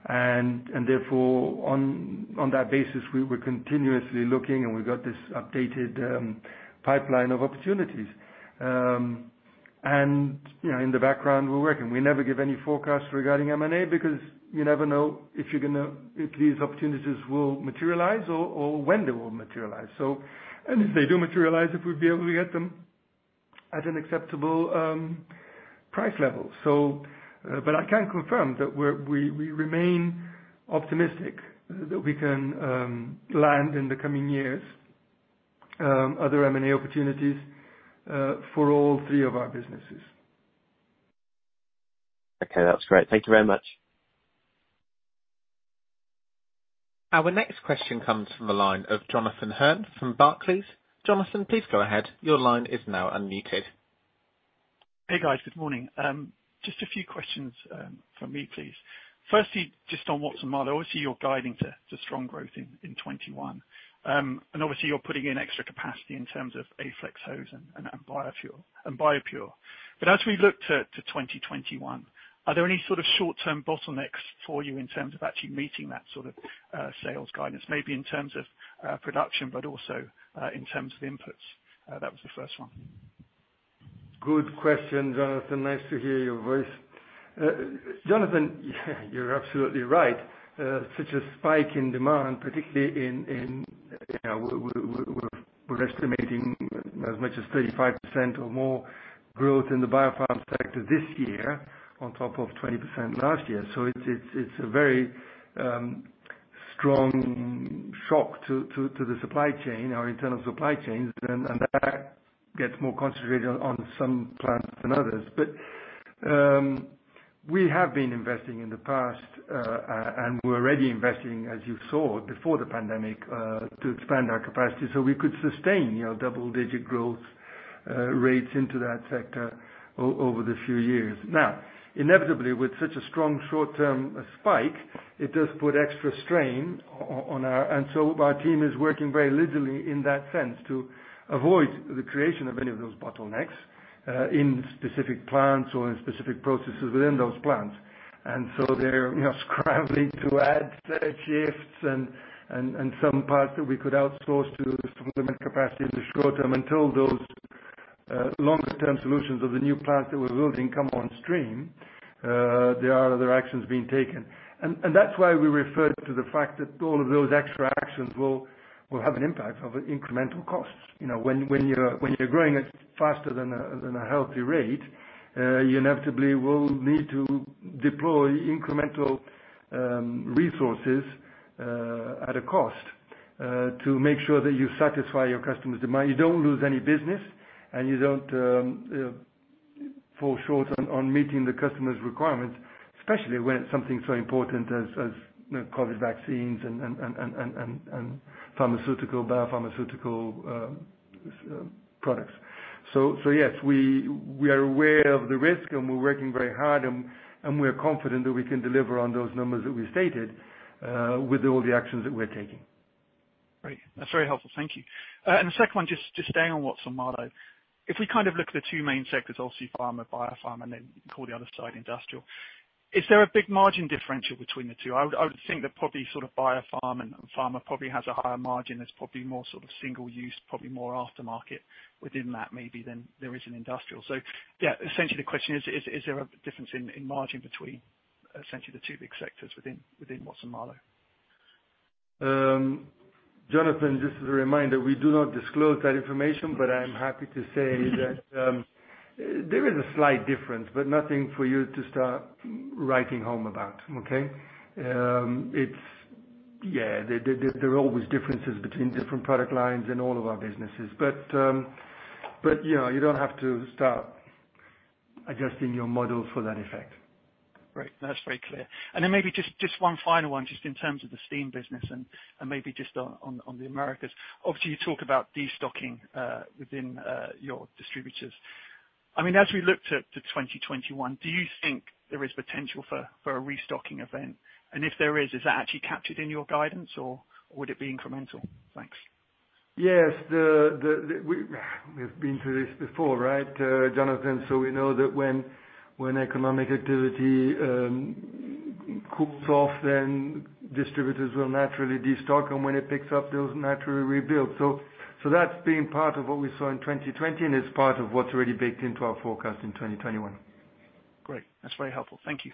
And therefore, on that basis, we're continuously looking, and we've got this updated pipeline of opportunities. And in the background, we're working. We never give any forecasts regarding M&A because you never know if these opportunities will materialize or when they will materialize. And if they do materialize, if we'd be able to get them at an acceptable price level. But I can confirm that we remain optimistic that we can land in the coming years other M&A opportunities for all three of our businesses. Okay, that's great. Thank you very much. Our next question comes from the line of Jonathan Hurn from Barclays. Jonathan, please go ahead. Your line is now unmuted. Hey, guys. Good morning. Just a few questions from me, please. Firstly, just on Watson-Marlow, obviously, you're guiding to strong growth in 2021. And obviously, you're putting in extra capacity in terms of Aflex hose and BioPure. But as we look to 2021, are there any sort of short-term bottlenecks for you in terms of actually meeting that sort of sales guidance, maybe in terms of production, but also in terms of inputs? That was the first one. Good question, Jonathan. Nice to hear your voice. Jonathan, you're absolutely right. Such a spike in demand, particularly in, we're estimating as much as 35% or more growth in the Biopharm sector this year on top of 20% last year. So it's a very strong shock to the supply chain, our internal supply chains, and that gets more concentrated on some plants than others. We have been investing in the past, and we're already investing, as you saw before the pandemic, to expand our capacity so we could sustain double-digit growth rates into that sector over the few years. Now, inevitably, with such a strong short-term spike, it does put extra strain on us, and so our team is working very hard in that sense to avoid the creation of any of those bottlenecks in specific plants or in specific processes within those plants. They're scrambling to add shifts and some parts that we could outsource to supplement capacity in the short term until those longer-term solutions of the new plants that we're building come on stream. There are other actions being taken. That's why we referred to the fact that all of those extra actions will have an impact of incremental costs. When you're growing at faster than a healthy rate, you inevitably will need to deploy incremental resources at a cost to make sure that you satisfy your customer's demand. You don't lose any business, and you don't fall short on meeting the customer's requirements, especially when it's something so important as COVID vaccines and pharmaceutical Biopharmaceutical products. So yes, we are aware of the risk, and we're working very hard, and we're confident that we can deliver on those numbers that we stated with all the actions that we're taking. Great. That's very helpful. Thank you. And the second one, just staying on Watson-Marlow, if we kind of look at the two main sectors, obviously pharma, Biopharma, and then call the other side industrial, is there a big margin differential between the two? I would think that probably sort of Biopharma and pharma probably has a higher margin. It's probably more sort of single-use, probably more aftermarket within that maybe than there is in industrial. So yeah, essentially, the question is, is there a difference in margin between essentially the two big sectors within Watson-Marlow? Jonathan, just as a reminder, we do not disclose that information, but I'm happy to say that there is a slight difference, but nothing for you to start writing home about, okay? Yeah, there are always differences between different product lines in all of our businesses. But you don't have to start adjusting your model for that effect. Right. That's very clear. And then maybe just one final one, just in terms of the steam business and maybe just on the Americas. Obviously, you talk about destocking within your distributors. I mean, as we look to 2021, do you think there is potential for a restocking event? And if there is, is that actually captured in your guidance, or would it be incremental? Thanks. Yes. We've been through this before, right, Jonathan? So we know that when economic activity cools off, then distributors will naturally destock, and when it picks up, they'll naturally rebuild. So that's been part of what we saw in 2020, and it's part of what's already baked into our forecast in 2021. Great. That's very helpful. Thank you.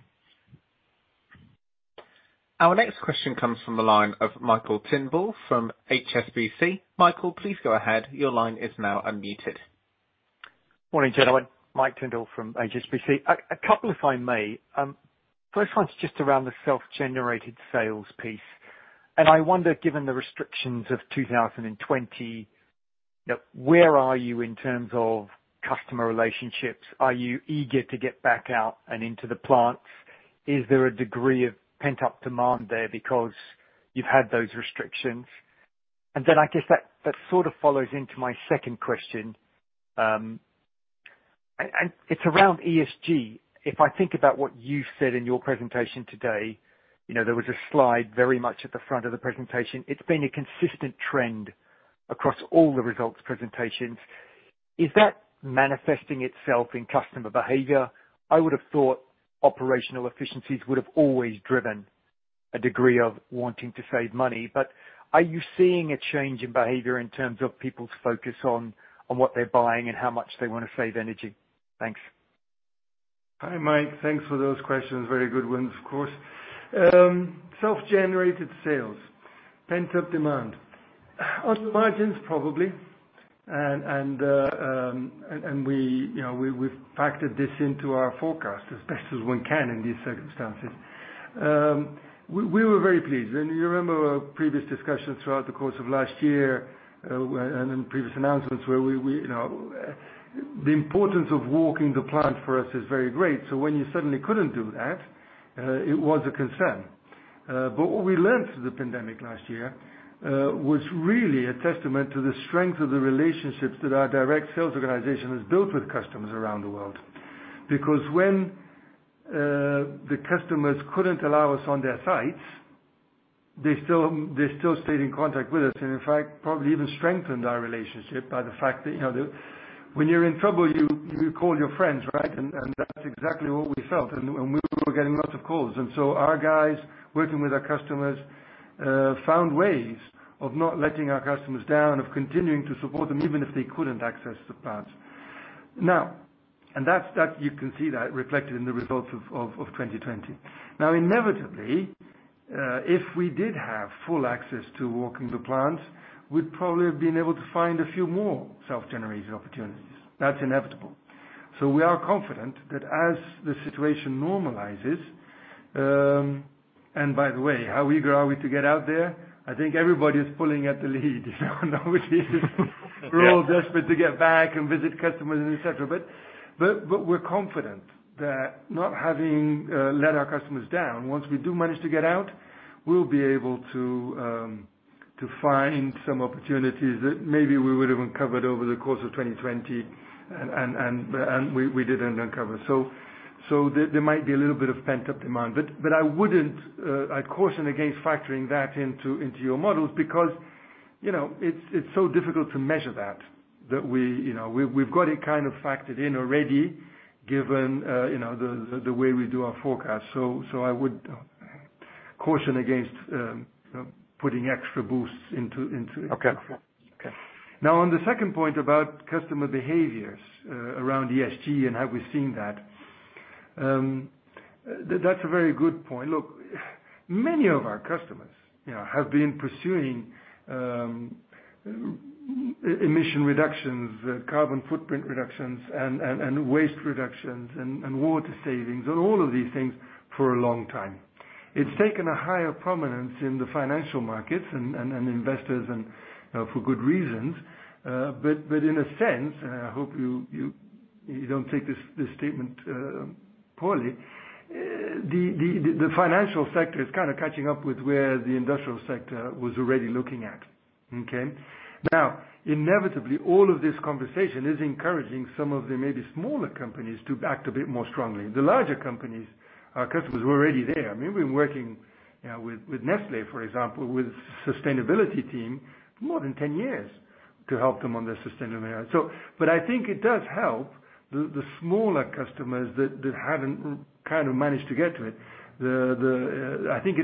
Our next question comes from the line of Michael Tyndall from HSBC. Michael, please go ahead. Your line is now unmuted. Morning, gentlemen. Mike Tyndall from HSBC. A couple of, if I may. First one's just around the self-generated sales piece. And I wonder, given the restrictions of 2020, where are you in terms of customer relationships? Are you eager to get back out and into the plants? Is there a degree of pent-up demand there because you've had those restrictions? And then I guess that sort of follows into my second question. And it's around ESG. If I think about what you've said in your presentation today, there was a slide very much at the front of the presentation. It's been a consistent trend across all the results presentations. Is that manifesting itself in customer behavior? I would have thought operational efficiencies would have always driven a degree of wanting to save money. But are you seeing a change in behavior in terms of people's focus on what they're buying and how much they want to save energy? Thanks. Hi, Mike. Thanks for those questions. Very good ones, of course. Organic sales, pent-up demand. On the margins, probably. And we've factored this into our forecast as best as one can in these circumstances. We were very pleased. You remember our previous discussion throughout the course of last year and in previous announcements where the importance of walking the plant for us is very great. So when you suddenly couldn't do that, it was a concern. But what we learned through the pandemic last year was really a testament to the strength of the relationships that our direct sales organization has built with customers around the world. Because when the customers couldn't allow us on their sites, they still stayed in contact with us and, in fact, probably even strengthened our relationship by the fact that when you're in trouble, you call your friends, right? And that's exactly what we felt. And we were getting lots of calls. And so our guys working with our customers found ways of not letting our customers down, of continuing to support them even if they couldn't access the plants. Now, and you can see that reflected in the results of 2020. Now, inevitably, if we did have full access to walking the plants, we'd probably have been able to find a few more self-generated opportunities. That's inevitable. So we are confident that as the situation normalizes, and by the way, how eager are we to get out there? I think everybody is pulling at the lead. We're all desperate to get back and visit customers, etc. But we're confident that not having let our customers down, once we do manage to get out, we'll be able to find some opportunities that maybe we would have uncovered over the course of 2020 and we didn't uncover. So there might be a little bit of pent-up demand. But I wouldn't. I'd caution against factoring that into your models because it's so difficult to measure that, that we've got it kind of factored in already given the way we do our forecast. So I would caution against putting extra boosts into it. Okay. Now, on the second point about customer behaviors around ESG and how we're seeing that, that's a very good point. Look, many of our customers have been pursuing emission reductions, carbon footprint reductions, and waste reductions and water savings and all of these things for a long time. It's taken a higher prominence in the financial markets and investors for good reasons. But in a sense, and I hope you don't take this statement poorly, the financial sector is kind of catching up with where the industrial sector was already looking at. Okay? Now, inevitably, all of this conversation is encouraging some of the maybe smaller companies to act a bit more strongly. The larger companies, our customers were already there. I mean, we've been working with Nestlé, for example, with the sustainability team for more than 10 years to help them on their sustainability. But I think it does help the smaller customers that haven't kind of managed to get to it. I think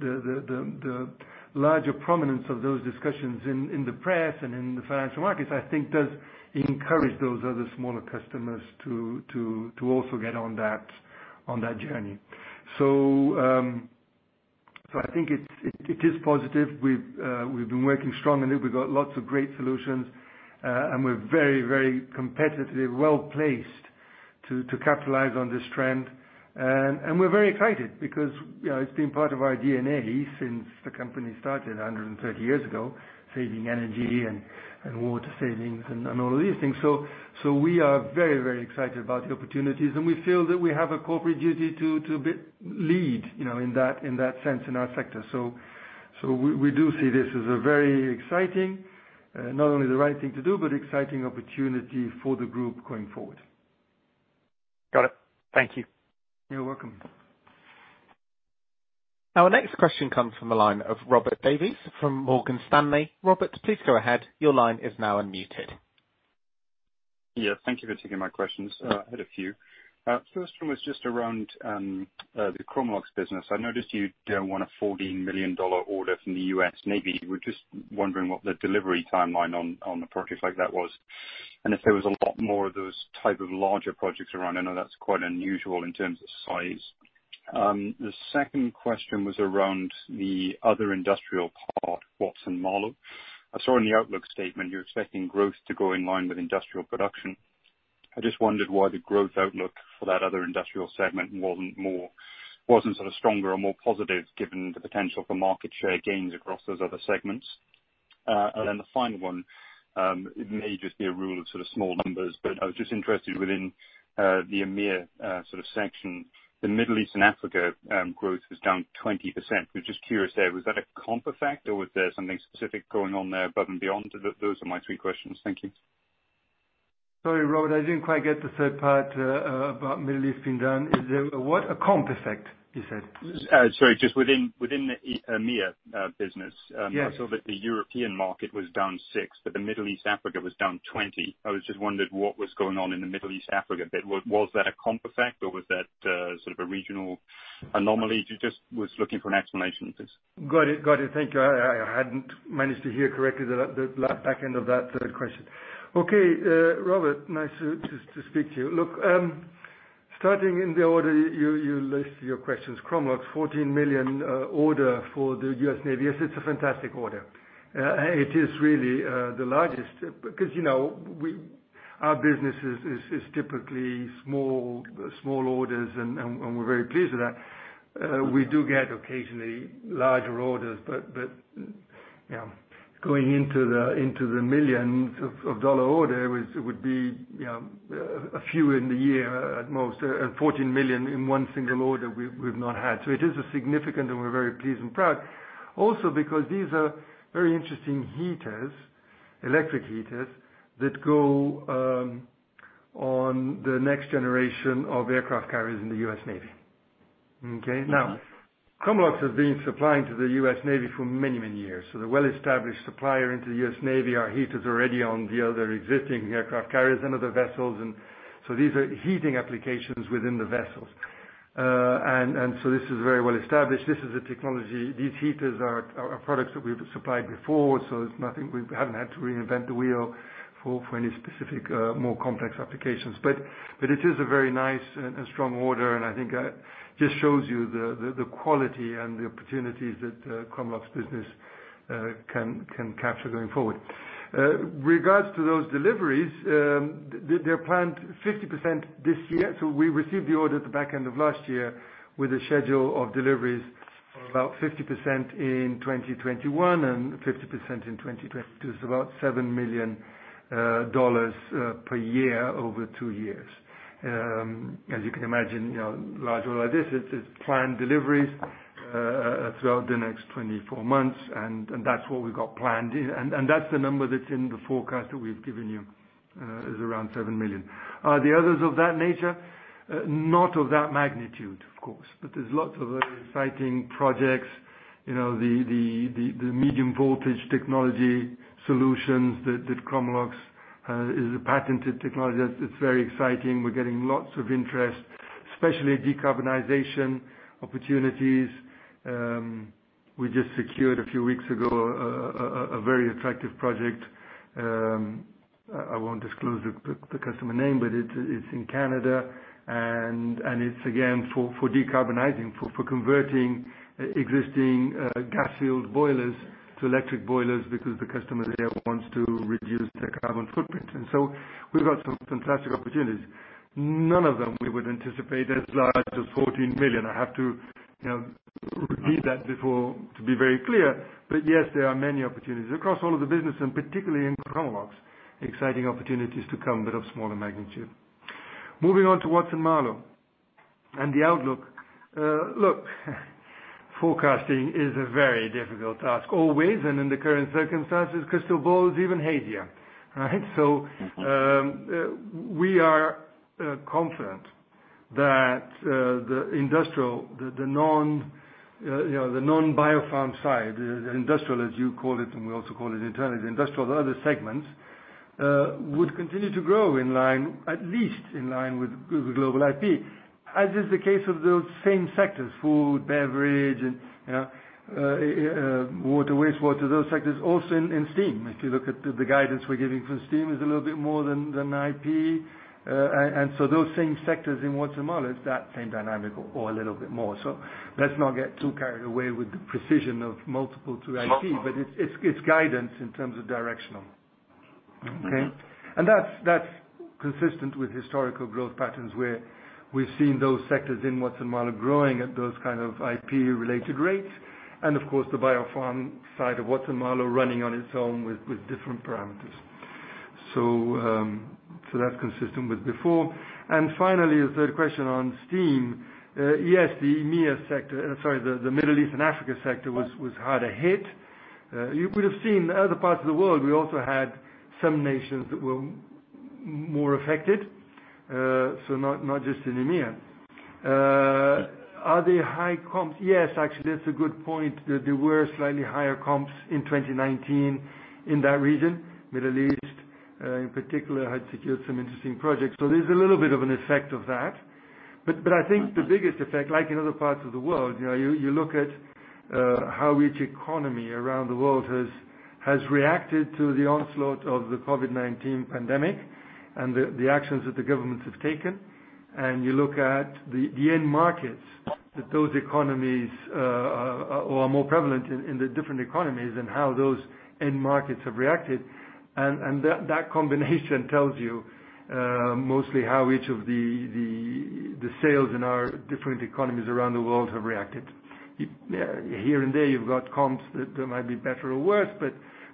the larger prominence of those discussions in the press and in the financial markets, I think, does encourage those other smaller customers to also get on that journey. So I think it is positive. We've been working strong on it. We've got lots of great solutions, and we're very, very competitive, well-placed to capitalize on this trend. We're very excited because it's been part of our DNA since the company started 130 years ago, saving energy and water savings and all of these things. So we are very, very excited about the opportunities, and we feel that we have a corporate duty to lead in that sense in our sector. So we do see this as a very exciting, not only the right thing to do, but exciting opportunity for the group going forward. Got it. Thank you. You're welcome. Our next question comes from the line of Robert Davies from Morgan Stanley. Robert, please go ahead. Your line is now unmuted. Yes. Thank you for taking my questions. I had a few. First one was just around the Chromalox business. I noticed you won a $14 million order from the U.S. Navy. We're just wondering what the delivery timeline on a project like that was and if there was a lot more of those type of larger projects around. I know that's quite unusual in terms of size. The second question was around the other industrial part, Watson-Marlow. I saw in the outlook statement you're expecting growth to go in line with industrial production. I just wondered why the growth outlook for that other industrial segment wasn't sort of stronger or more positive given the potential for market share gains across those other segments. And then the final one, it may just be a rule of sort of small numbers, but I was just interested within the EMEA sort of section. The Middle East and Africa growth was down 20%. We're just curious there. Was that a comp effect, or was there something specific going on there above and beyond? Those are my three questions. Thank you. Sorry, Robert. I didn't quite get the third part about Middle East being down. What a comp effect, you said? Sorry, just within the EMEA business. So the European market was down 6%, but the Middle East and Africa was down 20%. I was just wondering what was going on in the Middle East and Africa bit. Was that a comp effect, or was that sort of a regional anomaly? Just was looking for an explanation, please. Got it. Got it. Thank you. I hadn't managed to hear correctly the back end of that third question. Okay. Robert, nice to speak to you. Look, starting in the order you list your questions, Chromalox, $14 million order for the U.S. Navy. It's a fantastic order. It is really the largest because our business is typically small orders, and we're very pleased with that. We do get occasionally larger orders, but going into the millions of dollars order, it would be a few in the year at most, and $14 million in one single order, we've not had, so it is significant, and we're very pleased and proud. Also because these are very interesting heaters, electric heaters that go on the next generation of aircraft carriers in the U.S. Navy. Okay? Now, Chromalox has been supplying to the U.S. Navy for many, many years, so the well-established supplier into the U.S. Navy, our heaters already on the other existing aircraft carriers and other vessels, and so these are heating applications within the vessels, and so this is very well established. This is a technology. These heaters are products that we've supplied before, so we haven't had to reinvent the wheel for any specific more complex applications. But it is a very nice and strong order, and I think it just shows you the quality and the opportunities that Chromalox business can capture going forward. Regarding those deliveries, they're planned 50% this year. So we received the order at the back end of last year with a schedule of deliveries of about 50% in 2021 and 50% in 2022. It's about $7 million per year over two years. As you can imagine, a large order like this, it's planned deliveries throughout the next 24 months, and that's what we've got planned. And that's the number that's in the forecast that we've given you is around $7 million. Are the others of that nature? Not of that magnitude, of course. But there's lots of very exciting projects. The medium voltage technology solutions that Chromalox is a patented technology. It's very exciting. We're getting lots of interest, especially decarbonization opportunities. We just secured a few weeks ago a very attractive project. I won't disclose the customer name, but it's in Canada. It's, again, for decarbonizing, for converting existing gas-fueled boilers to electric boilers because the customer there wants to reduce their carbon footprint. So we've got some fantastic opportunities. None of them we would anticipate as large as $14 million. I have to repeat that before to be very clear. But yes, there are many opportunities across all of the business, and particularly in Chromalox, exciting opportunities to come, but of smaller magnitude. Moving on to Watson-Marlow and the outlook. Look, forecasting is a very difficult task. Always, and in the current circumstances, crystal ball is even hazier, right? So we are confident that the industrial, the non-Biopharm side, the industrial, as you call it, and we also call it internally, the industrial, the other segments would continue to grow in line, at least in line with global IP, as is the case of those same sectors, food, beverage, and water, wastewater, those sectors. Also in steam, if you look at the guidance we're giving for steam, it's a little bit more than IP. And so those same sectors in Watson-Marlow, it's that same dynamic or a little bit more. So let's not get too carried away with the precision of multiple to IP, but it's guidance in terms of directional. Okay? And that's consistent with historical growth patterns where we've seen those sectors in Watson-Marlow growing at those kind of IP-related rates. Of course, the Biopharm side of Watson-Marlow running on its own with different parameters. That's consistent with before. Finally, a third question on steam. Yes, the EMEA sector, sorry, the Middle East and Africa sector, was hard to hit. You would have seen other parts of the world. We also had some nations that were more affected, so not just in EMEA. Are they high comps? Yes, actually, that's a good point. There were slightly higher comps in 2019 in that region. Middle East, in particular, had secured some interesting projects. So there's a little bit of an effect of that. But I think the biggest effect, like in other parts of the world, you look at how each economy around the world has reacted to the onslaught of the COVID-19 pandemic and the actions that the governments have taken. And you look at the end markets that those economies are more prevalent in the different economies and how those end markets have reacted. And that combination tells you mostly how each of the sales in our different economies around the world have reacted. Here and there, you've got comps that might be better or worse,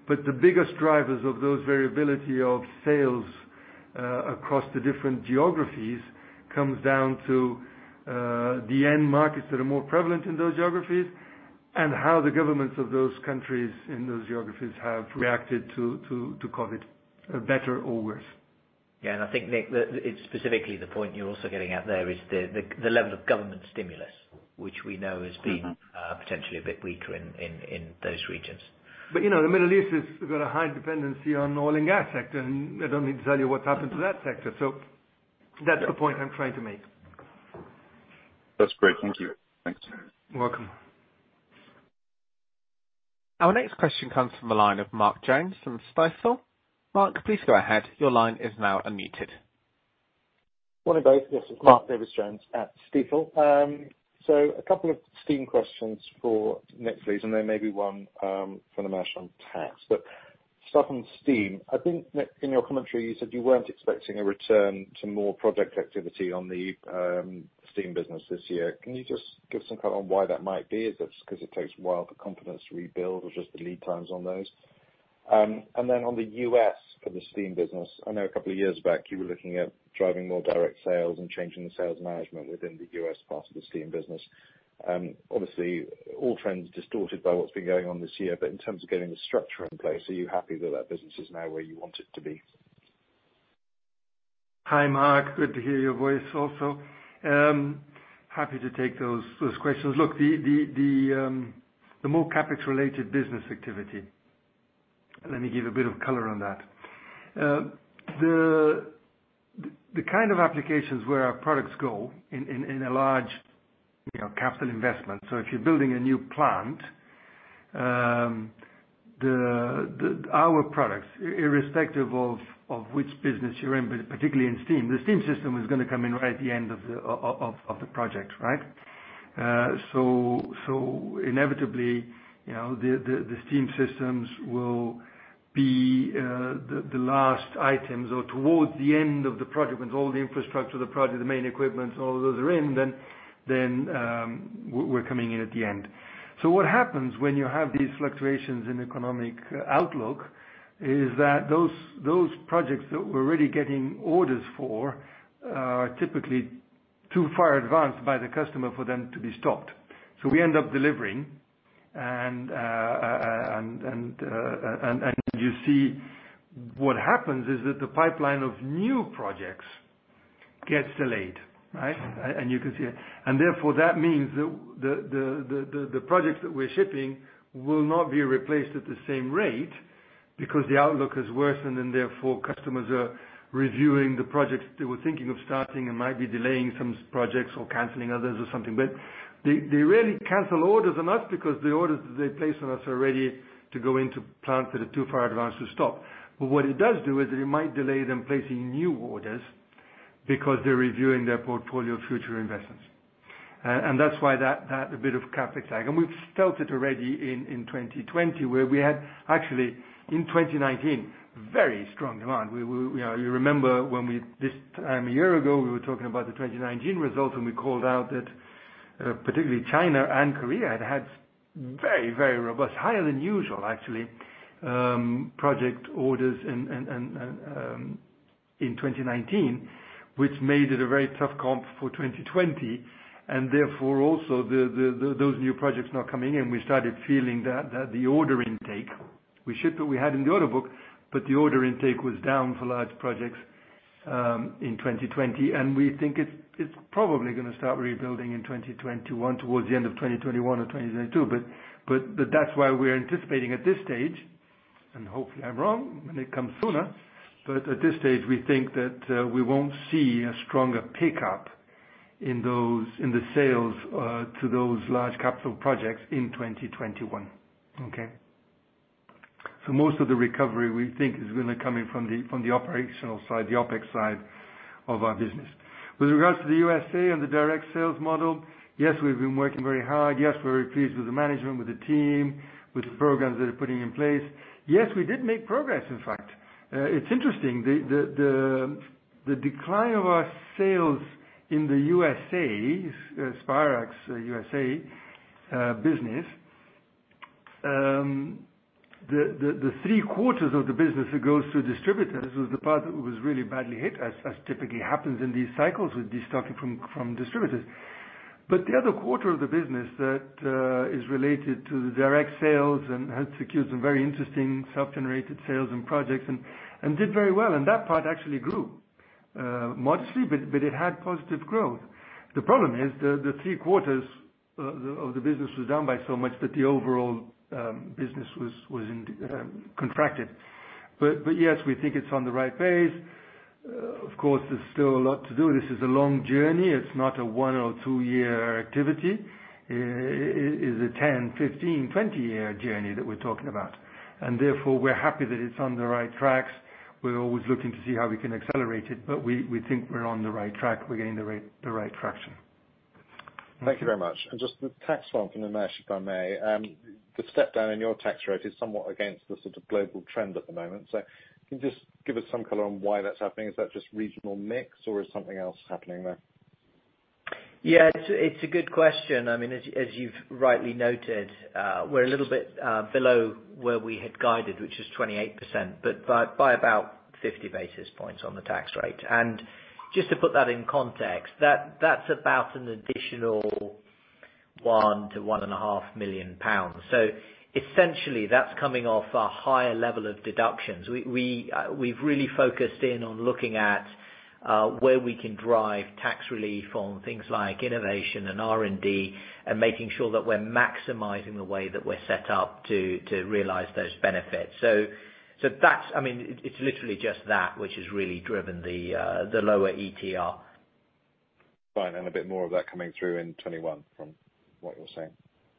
but the biggest drivers of those variability of sales across the different geographies come down to the end markets that are more prevalent in those geographies and how the governments of those countries in those geographies have reacted to COVID, better or worse. Yeah. And I think specifically the point you're also getting out there is the level of government stimulus, which we know has been potentially a bit weaker in those regions. But the Middle East has got a high dependency on the oil and gas sector, and I don't need to tell you what's happened to that sector. So that's the point I'm trying to make. That's great. Thank you. Thanks. You're welcome. Our next question comes from the line of Mark Jones from Stifel. Mark, please go ahead. Your line is now unmuted. Morning, guys. This is Mark Davies Jones at Stifel. So a couple of steam questions for Nimesh, and there may be one for the management team. But starting with steam, I think in your commentary, you said you weren't expecting a return to more project activity on the steam business this year. Can you just give some kind of why that might be? Is it because it takes a while for companies to rebuild or just the lead times on those? And then on the U.S. for the steam business, I know a couple of years back you were looking at driving more direct sales and changing the sales management within the U.S. part of the steam business. Obviously, all trends distorted by what's been going on this year, but in terms of getting the structure in place, are you happy that that business is now where you want it to be? Hi, Mark. Good to hear your voice also. Happy to take those questions. Look, the more CapEx-related business activity, let me give a bit of color on that. The kind of applications where our products go in a large capital investment, so if you're building a new plant, our products, irrespective of which business you're in, but particularly in steam, the steam system is going to come in right at the end of the project, right? So inevitably, the steam systems will be the last items or towards the end of the project when all the infrastructure of the project, the main equipment, all of those are in, then we're coming in at the end. So what happens when you have these fluctuations in economic outlook is that those projects that we're really getting orders for are typically too far advanced by the customer for them to be stopped. So we end up delivering, and you see what happens is that the pipeline of new projects gets delayed, right? And you can see it. And therefore, that means that the projects that we're shipping will not be replaced at the same rate because the outlook has worsened, and therefore, customers are reviewing the projects they were thinking of starting and might be delaying some projects or canceling others or something. But they rarely cancel orders on us because the orders that they place on us are ready to go into plants that are too far advanced to stop. But what it does do is that it might delay them placing new orders because they're reviewing their portfolio of future investments. And that's why that bit of CapEx lag. And we've felt it already in 2020 where we had actually in 2019 very strong demand. You remember when this time a year ago we were talking about the 2019 results, and we called out that particularly China and Korea had had very, very robust, higher than usual, actually, project orders in 2019, which made it a very tough comp for 2020. And therefore, also those new projects not coming in. We started feeling that the order intake we had in the order book, but the order intake was down for large projects in 2020. And we think it's probably going to start rebuilding in 2021, towards the end of 2021 or 2022. But that's why we're anticipating at this stage, and hopefully I'm wrong when it comes sooner, but at this stage, we think that we won't see a stronger pickup in the sales to those large capital projects in 2021. Okay? So most of the recovery we think is going to come in from the operational side, the OpEx side of our business. With regards to the USA and the direct sales model, yes, we've been working very hard. Yes, we're very pleased with the management, with the team, with the programs that are putting in place. Yes, we did make progress, in fact. It's interesting. The decline of our sales in the USA, Spirax USA business, the three quarters of the business that goes through distributors was the part that was really badly hit, as typically happens in these cycles with destocking from distributors. But the other quarter of the business that is related to the direct sales and had secured some very interesting self-generated sales and projects and did very well. And that part actually grew modestly, but it had positive growth. The problem is the three quarters of the business was down by so much that the overall business was contracted. But yes, we think it's on the right pace. Of course, there's still a lot to do. This is a long journey. It's not a one or two-year activity. It is a 10, 15, 20-year journey that we're talking about. And therefore, we're happy that it's on the right tracks. We're always looking to see how we can accelerate it, but we think we're on the right track. We're getting the right traction. Thank you very much. And just the tax one for Nimesh, if I may. The step down in your tax rate is somewhat against the sort of global trend at the moment. So can you just give us some color on why that's happening? Is that just regional mix, or is something else happening there? Yeah, it's a good question. I mean, as you've rightly noted, we're a little bit below where we had guided, which is 28%, but by about 50 basis points on the tax rate. And just to put that in context, that's about an additional 1 million-1.5 million pounds. So essentially, that's coming off a higher level of deductions. We've really focused in on looking at where we can drive tax relief on things like innovation and R&D and making sure that we're maximizing the way that we're set up to realize those benefits. So I mean, it's literally just that, which has really driven the lower ETR. Right. And a bit more of that coming through in 2021 from what you're saying.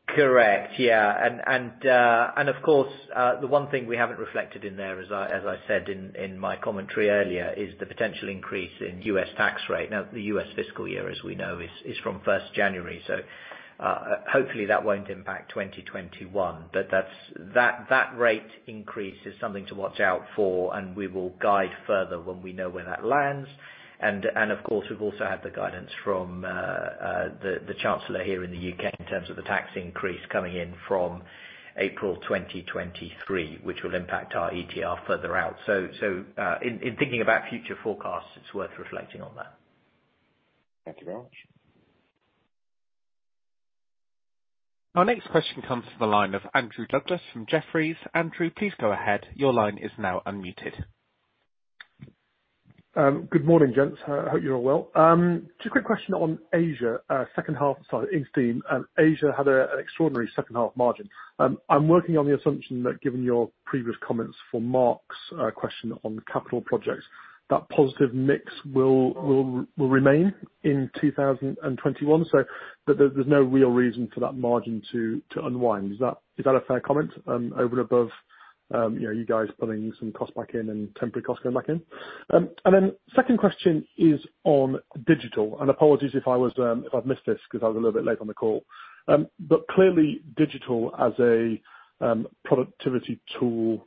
Correct. Yeah. And of course, the one thing we haven't reflected in there, as I said in my commentary earlier, is the potential increase in U.S. tax rate. Now, the U.S. fiscal year, as we know, is from 1st January. So hopefully, that won't impact 2021. But that rate increase is something to watch out for, and we will guide further when we know where that lands. And of course, we've also had the guidance from the Chancellor here in the U.K. in terms of the tax increase coming in from April 2023, which will impact our ETR further out. So in thinking about future forecasts, it's worth reflecting on that. Thank you very much. Our next question comes from the line of Andrew Douglas from Jefferies. Andrew, please go ahead. Your line is now unmuted. Good morning, gents. I hope you're all well. Just a quick question on Asia. Second half, sorry, in Steam. Asia had an extraordinary second-half margin. I'm working on the assumption that given your previous comments for Mark's question on capital projects, that positive mix will remain in 2021, so there's no real reason for that margin to unwind. Is that a fair comment over and above you guys pulling some costs back in and temporary costs going back in? And then, the second question is on digital. And apologies if I've missed this because I was a little bit late on the call. But clearly, digital as a productivity tool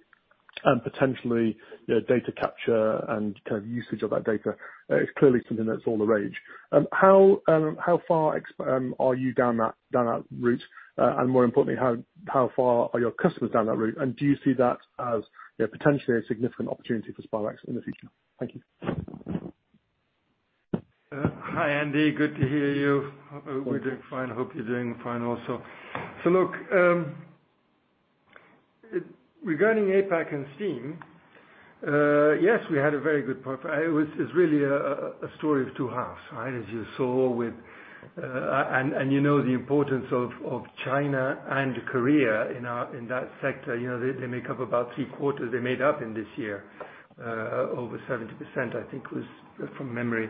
and potentially data capture and kind of usage of that data is clearly something that's all the rage. How far are you down that route? And more importantly, how far are your customers down that route? And do you see that as potentially a significant opportunity for Spirax in the future? Thank you. Hi, Andrew. Good to hear you. We're doing fine. Hope you're doing fine also. So look, regarding APAC and Steam, yes, we had a very good profile. It was really a story of two halves, right, as you saw with and you know the importance of China and Korea in that sector. They make up about three quarters they made up in this year. Over 70%, I think, was from memory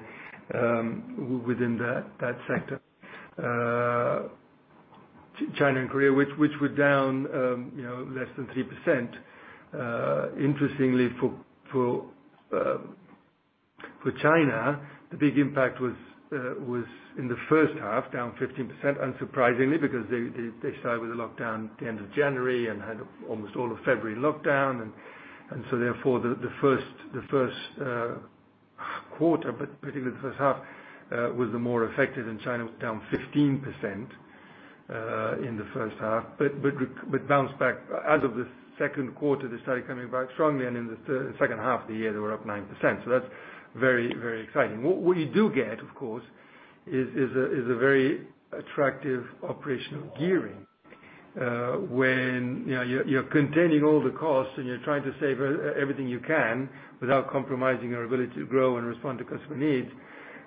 within that sector. China and Korea, which were down less than 3%. Interestingly, for China, the big impact was in the first half, down 15%, unsurprisingly, because they started with a lockdown at the end of January and had almost all of February locked down, and so therefore, the first quarter, but particularly the first half, was the more affected, and China was down 15% in the first half, but bounced back, as of the second quarter, they started coming back strongly, and in the second half of the year, they were up 9%, so that's very, very exciting. What you do get, of course, is a very attractive operational gearing when you're containing all the costs and you're trying to save everything you can without compromising your ability to grow and respond to customer needs.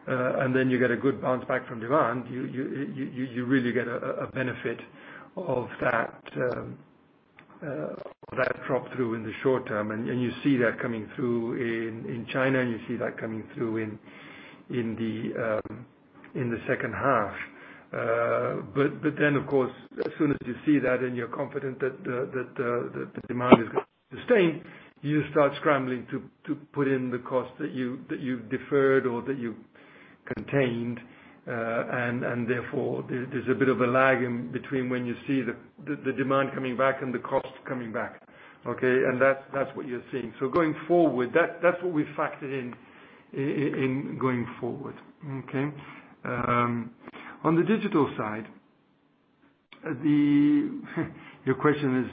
Then you get a good bounce back from demand. You really get a benefit of that drop through in the short term. You see that coming through in China, and you see that coming through in the second half. But then, of course, as soon as you see that and you're confident that the demand is going to sustain, you start scrambling to put in the costs that you deferred or that you contained. And therefore, there's a bit of a lag between when you see the demand coming back and the cost coming back. Okay? And that's what you're seeing. So going forward, that's what we factored in going forward. Okay? On the digital side, your question is,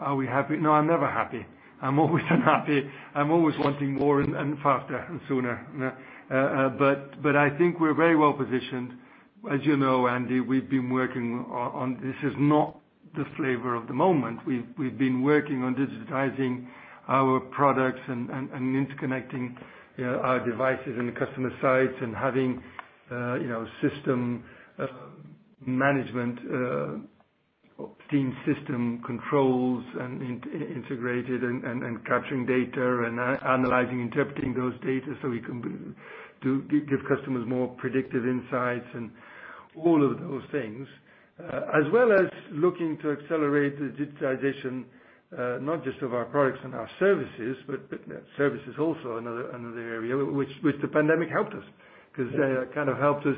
are we happy? No, I'm never happy. I'm always unhappy. I'm always wanting more and faster and sooner. But I think we're very well positioned. As you know, Andrew, we've been working on this. This is not the flavor of the moment. We've been working on digitizing our products and interconnecting our devices and the customer sites and having system management, steam system controls integrated and capturing data and analyzing, interpreting those data so we can give customers more predictive insights and all of those things, as well as looking to accelerate the digitization, not just of our products and our services, but services also another area, which the pandemic helped us because it kind of helped us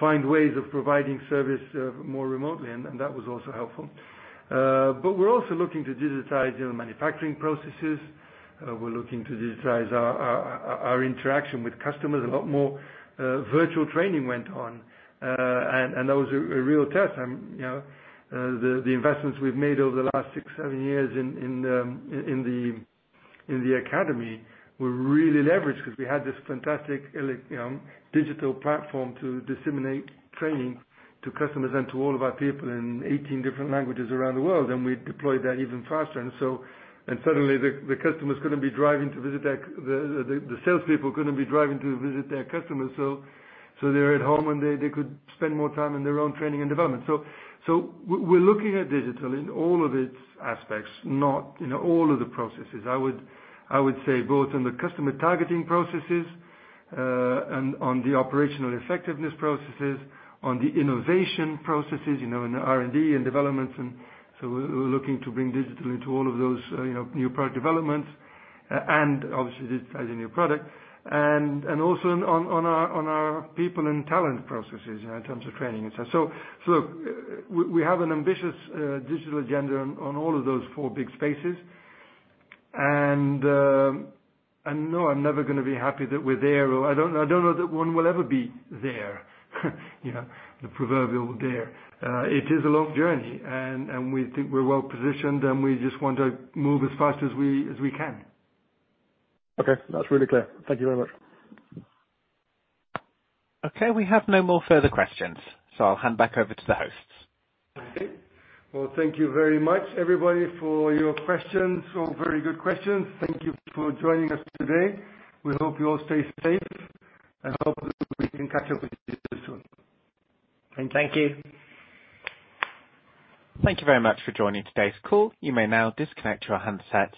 find ways of providing service more remotely, and that was also helpful, but we're also looking to digitize manufacturing processes. We're looking to digitize our interaction with customers a lot more. Virtual training went on, and that was a real test. The investments we've made over the last six, seven years in the academy were really leveraged because we had this fantastic digital platform to disseminate training to customers and to all of our people in 18 different languages around the world, and we deployed that even faster, and suddenly, the customers couldn't be driving to visit, the salespeople couldn't be driving to visit their customers, so they're at home, and they could spend more time in their own training and development, so we're looking at digital in all of its aspects, not all of the processes. I would say both in the customer targeting processes and on the operational effectiveness processes, on the innovation processes, in the R&D and developments. And so we're looking to bring digital into all of those new product developments and obviously digitizing new products and also on our people and talent processes in terms of training and such. So look, we have an ambitious digital agenda on all of those four big spaces. And no, I'm never going to be happy that we're there. I don't know that one will ever be there, the proverbial there. It is a long journey, and we think we're well positioned, and we just want to move as fast as we can. Okay. That's really clear. Thank you very much. Okay. We have no more further questions, so I'll hand back over to the hosts. Okay. Well, thank you very much, everybody, for your questions. All very good questions. Thank you for joining us today. We hope you all stay safe, and hopefully, we can catch up with you soon. Thank you. Thank you very much for joining today's call. You may now disconnect your handset.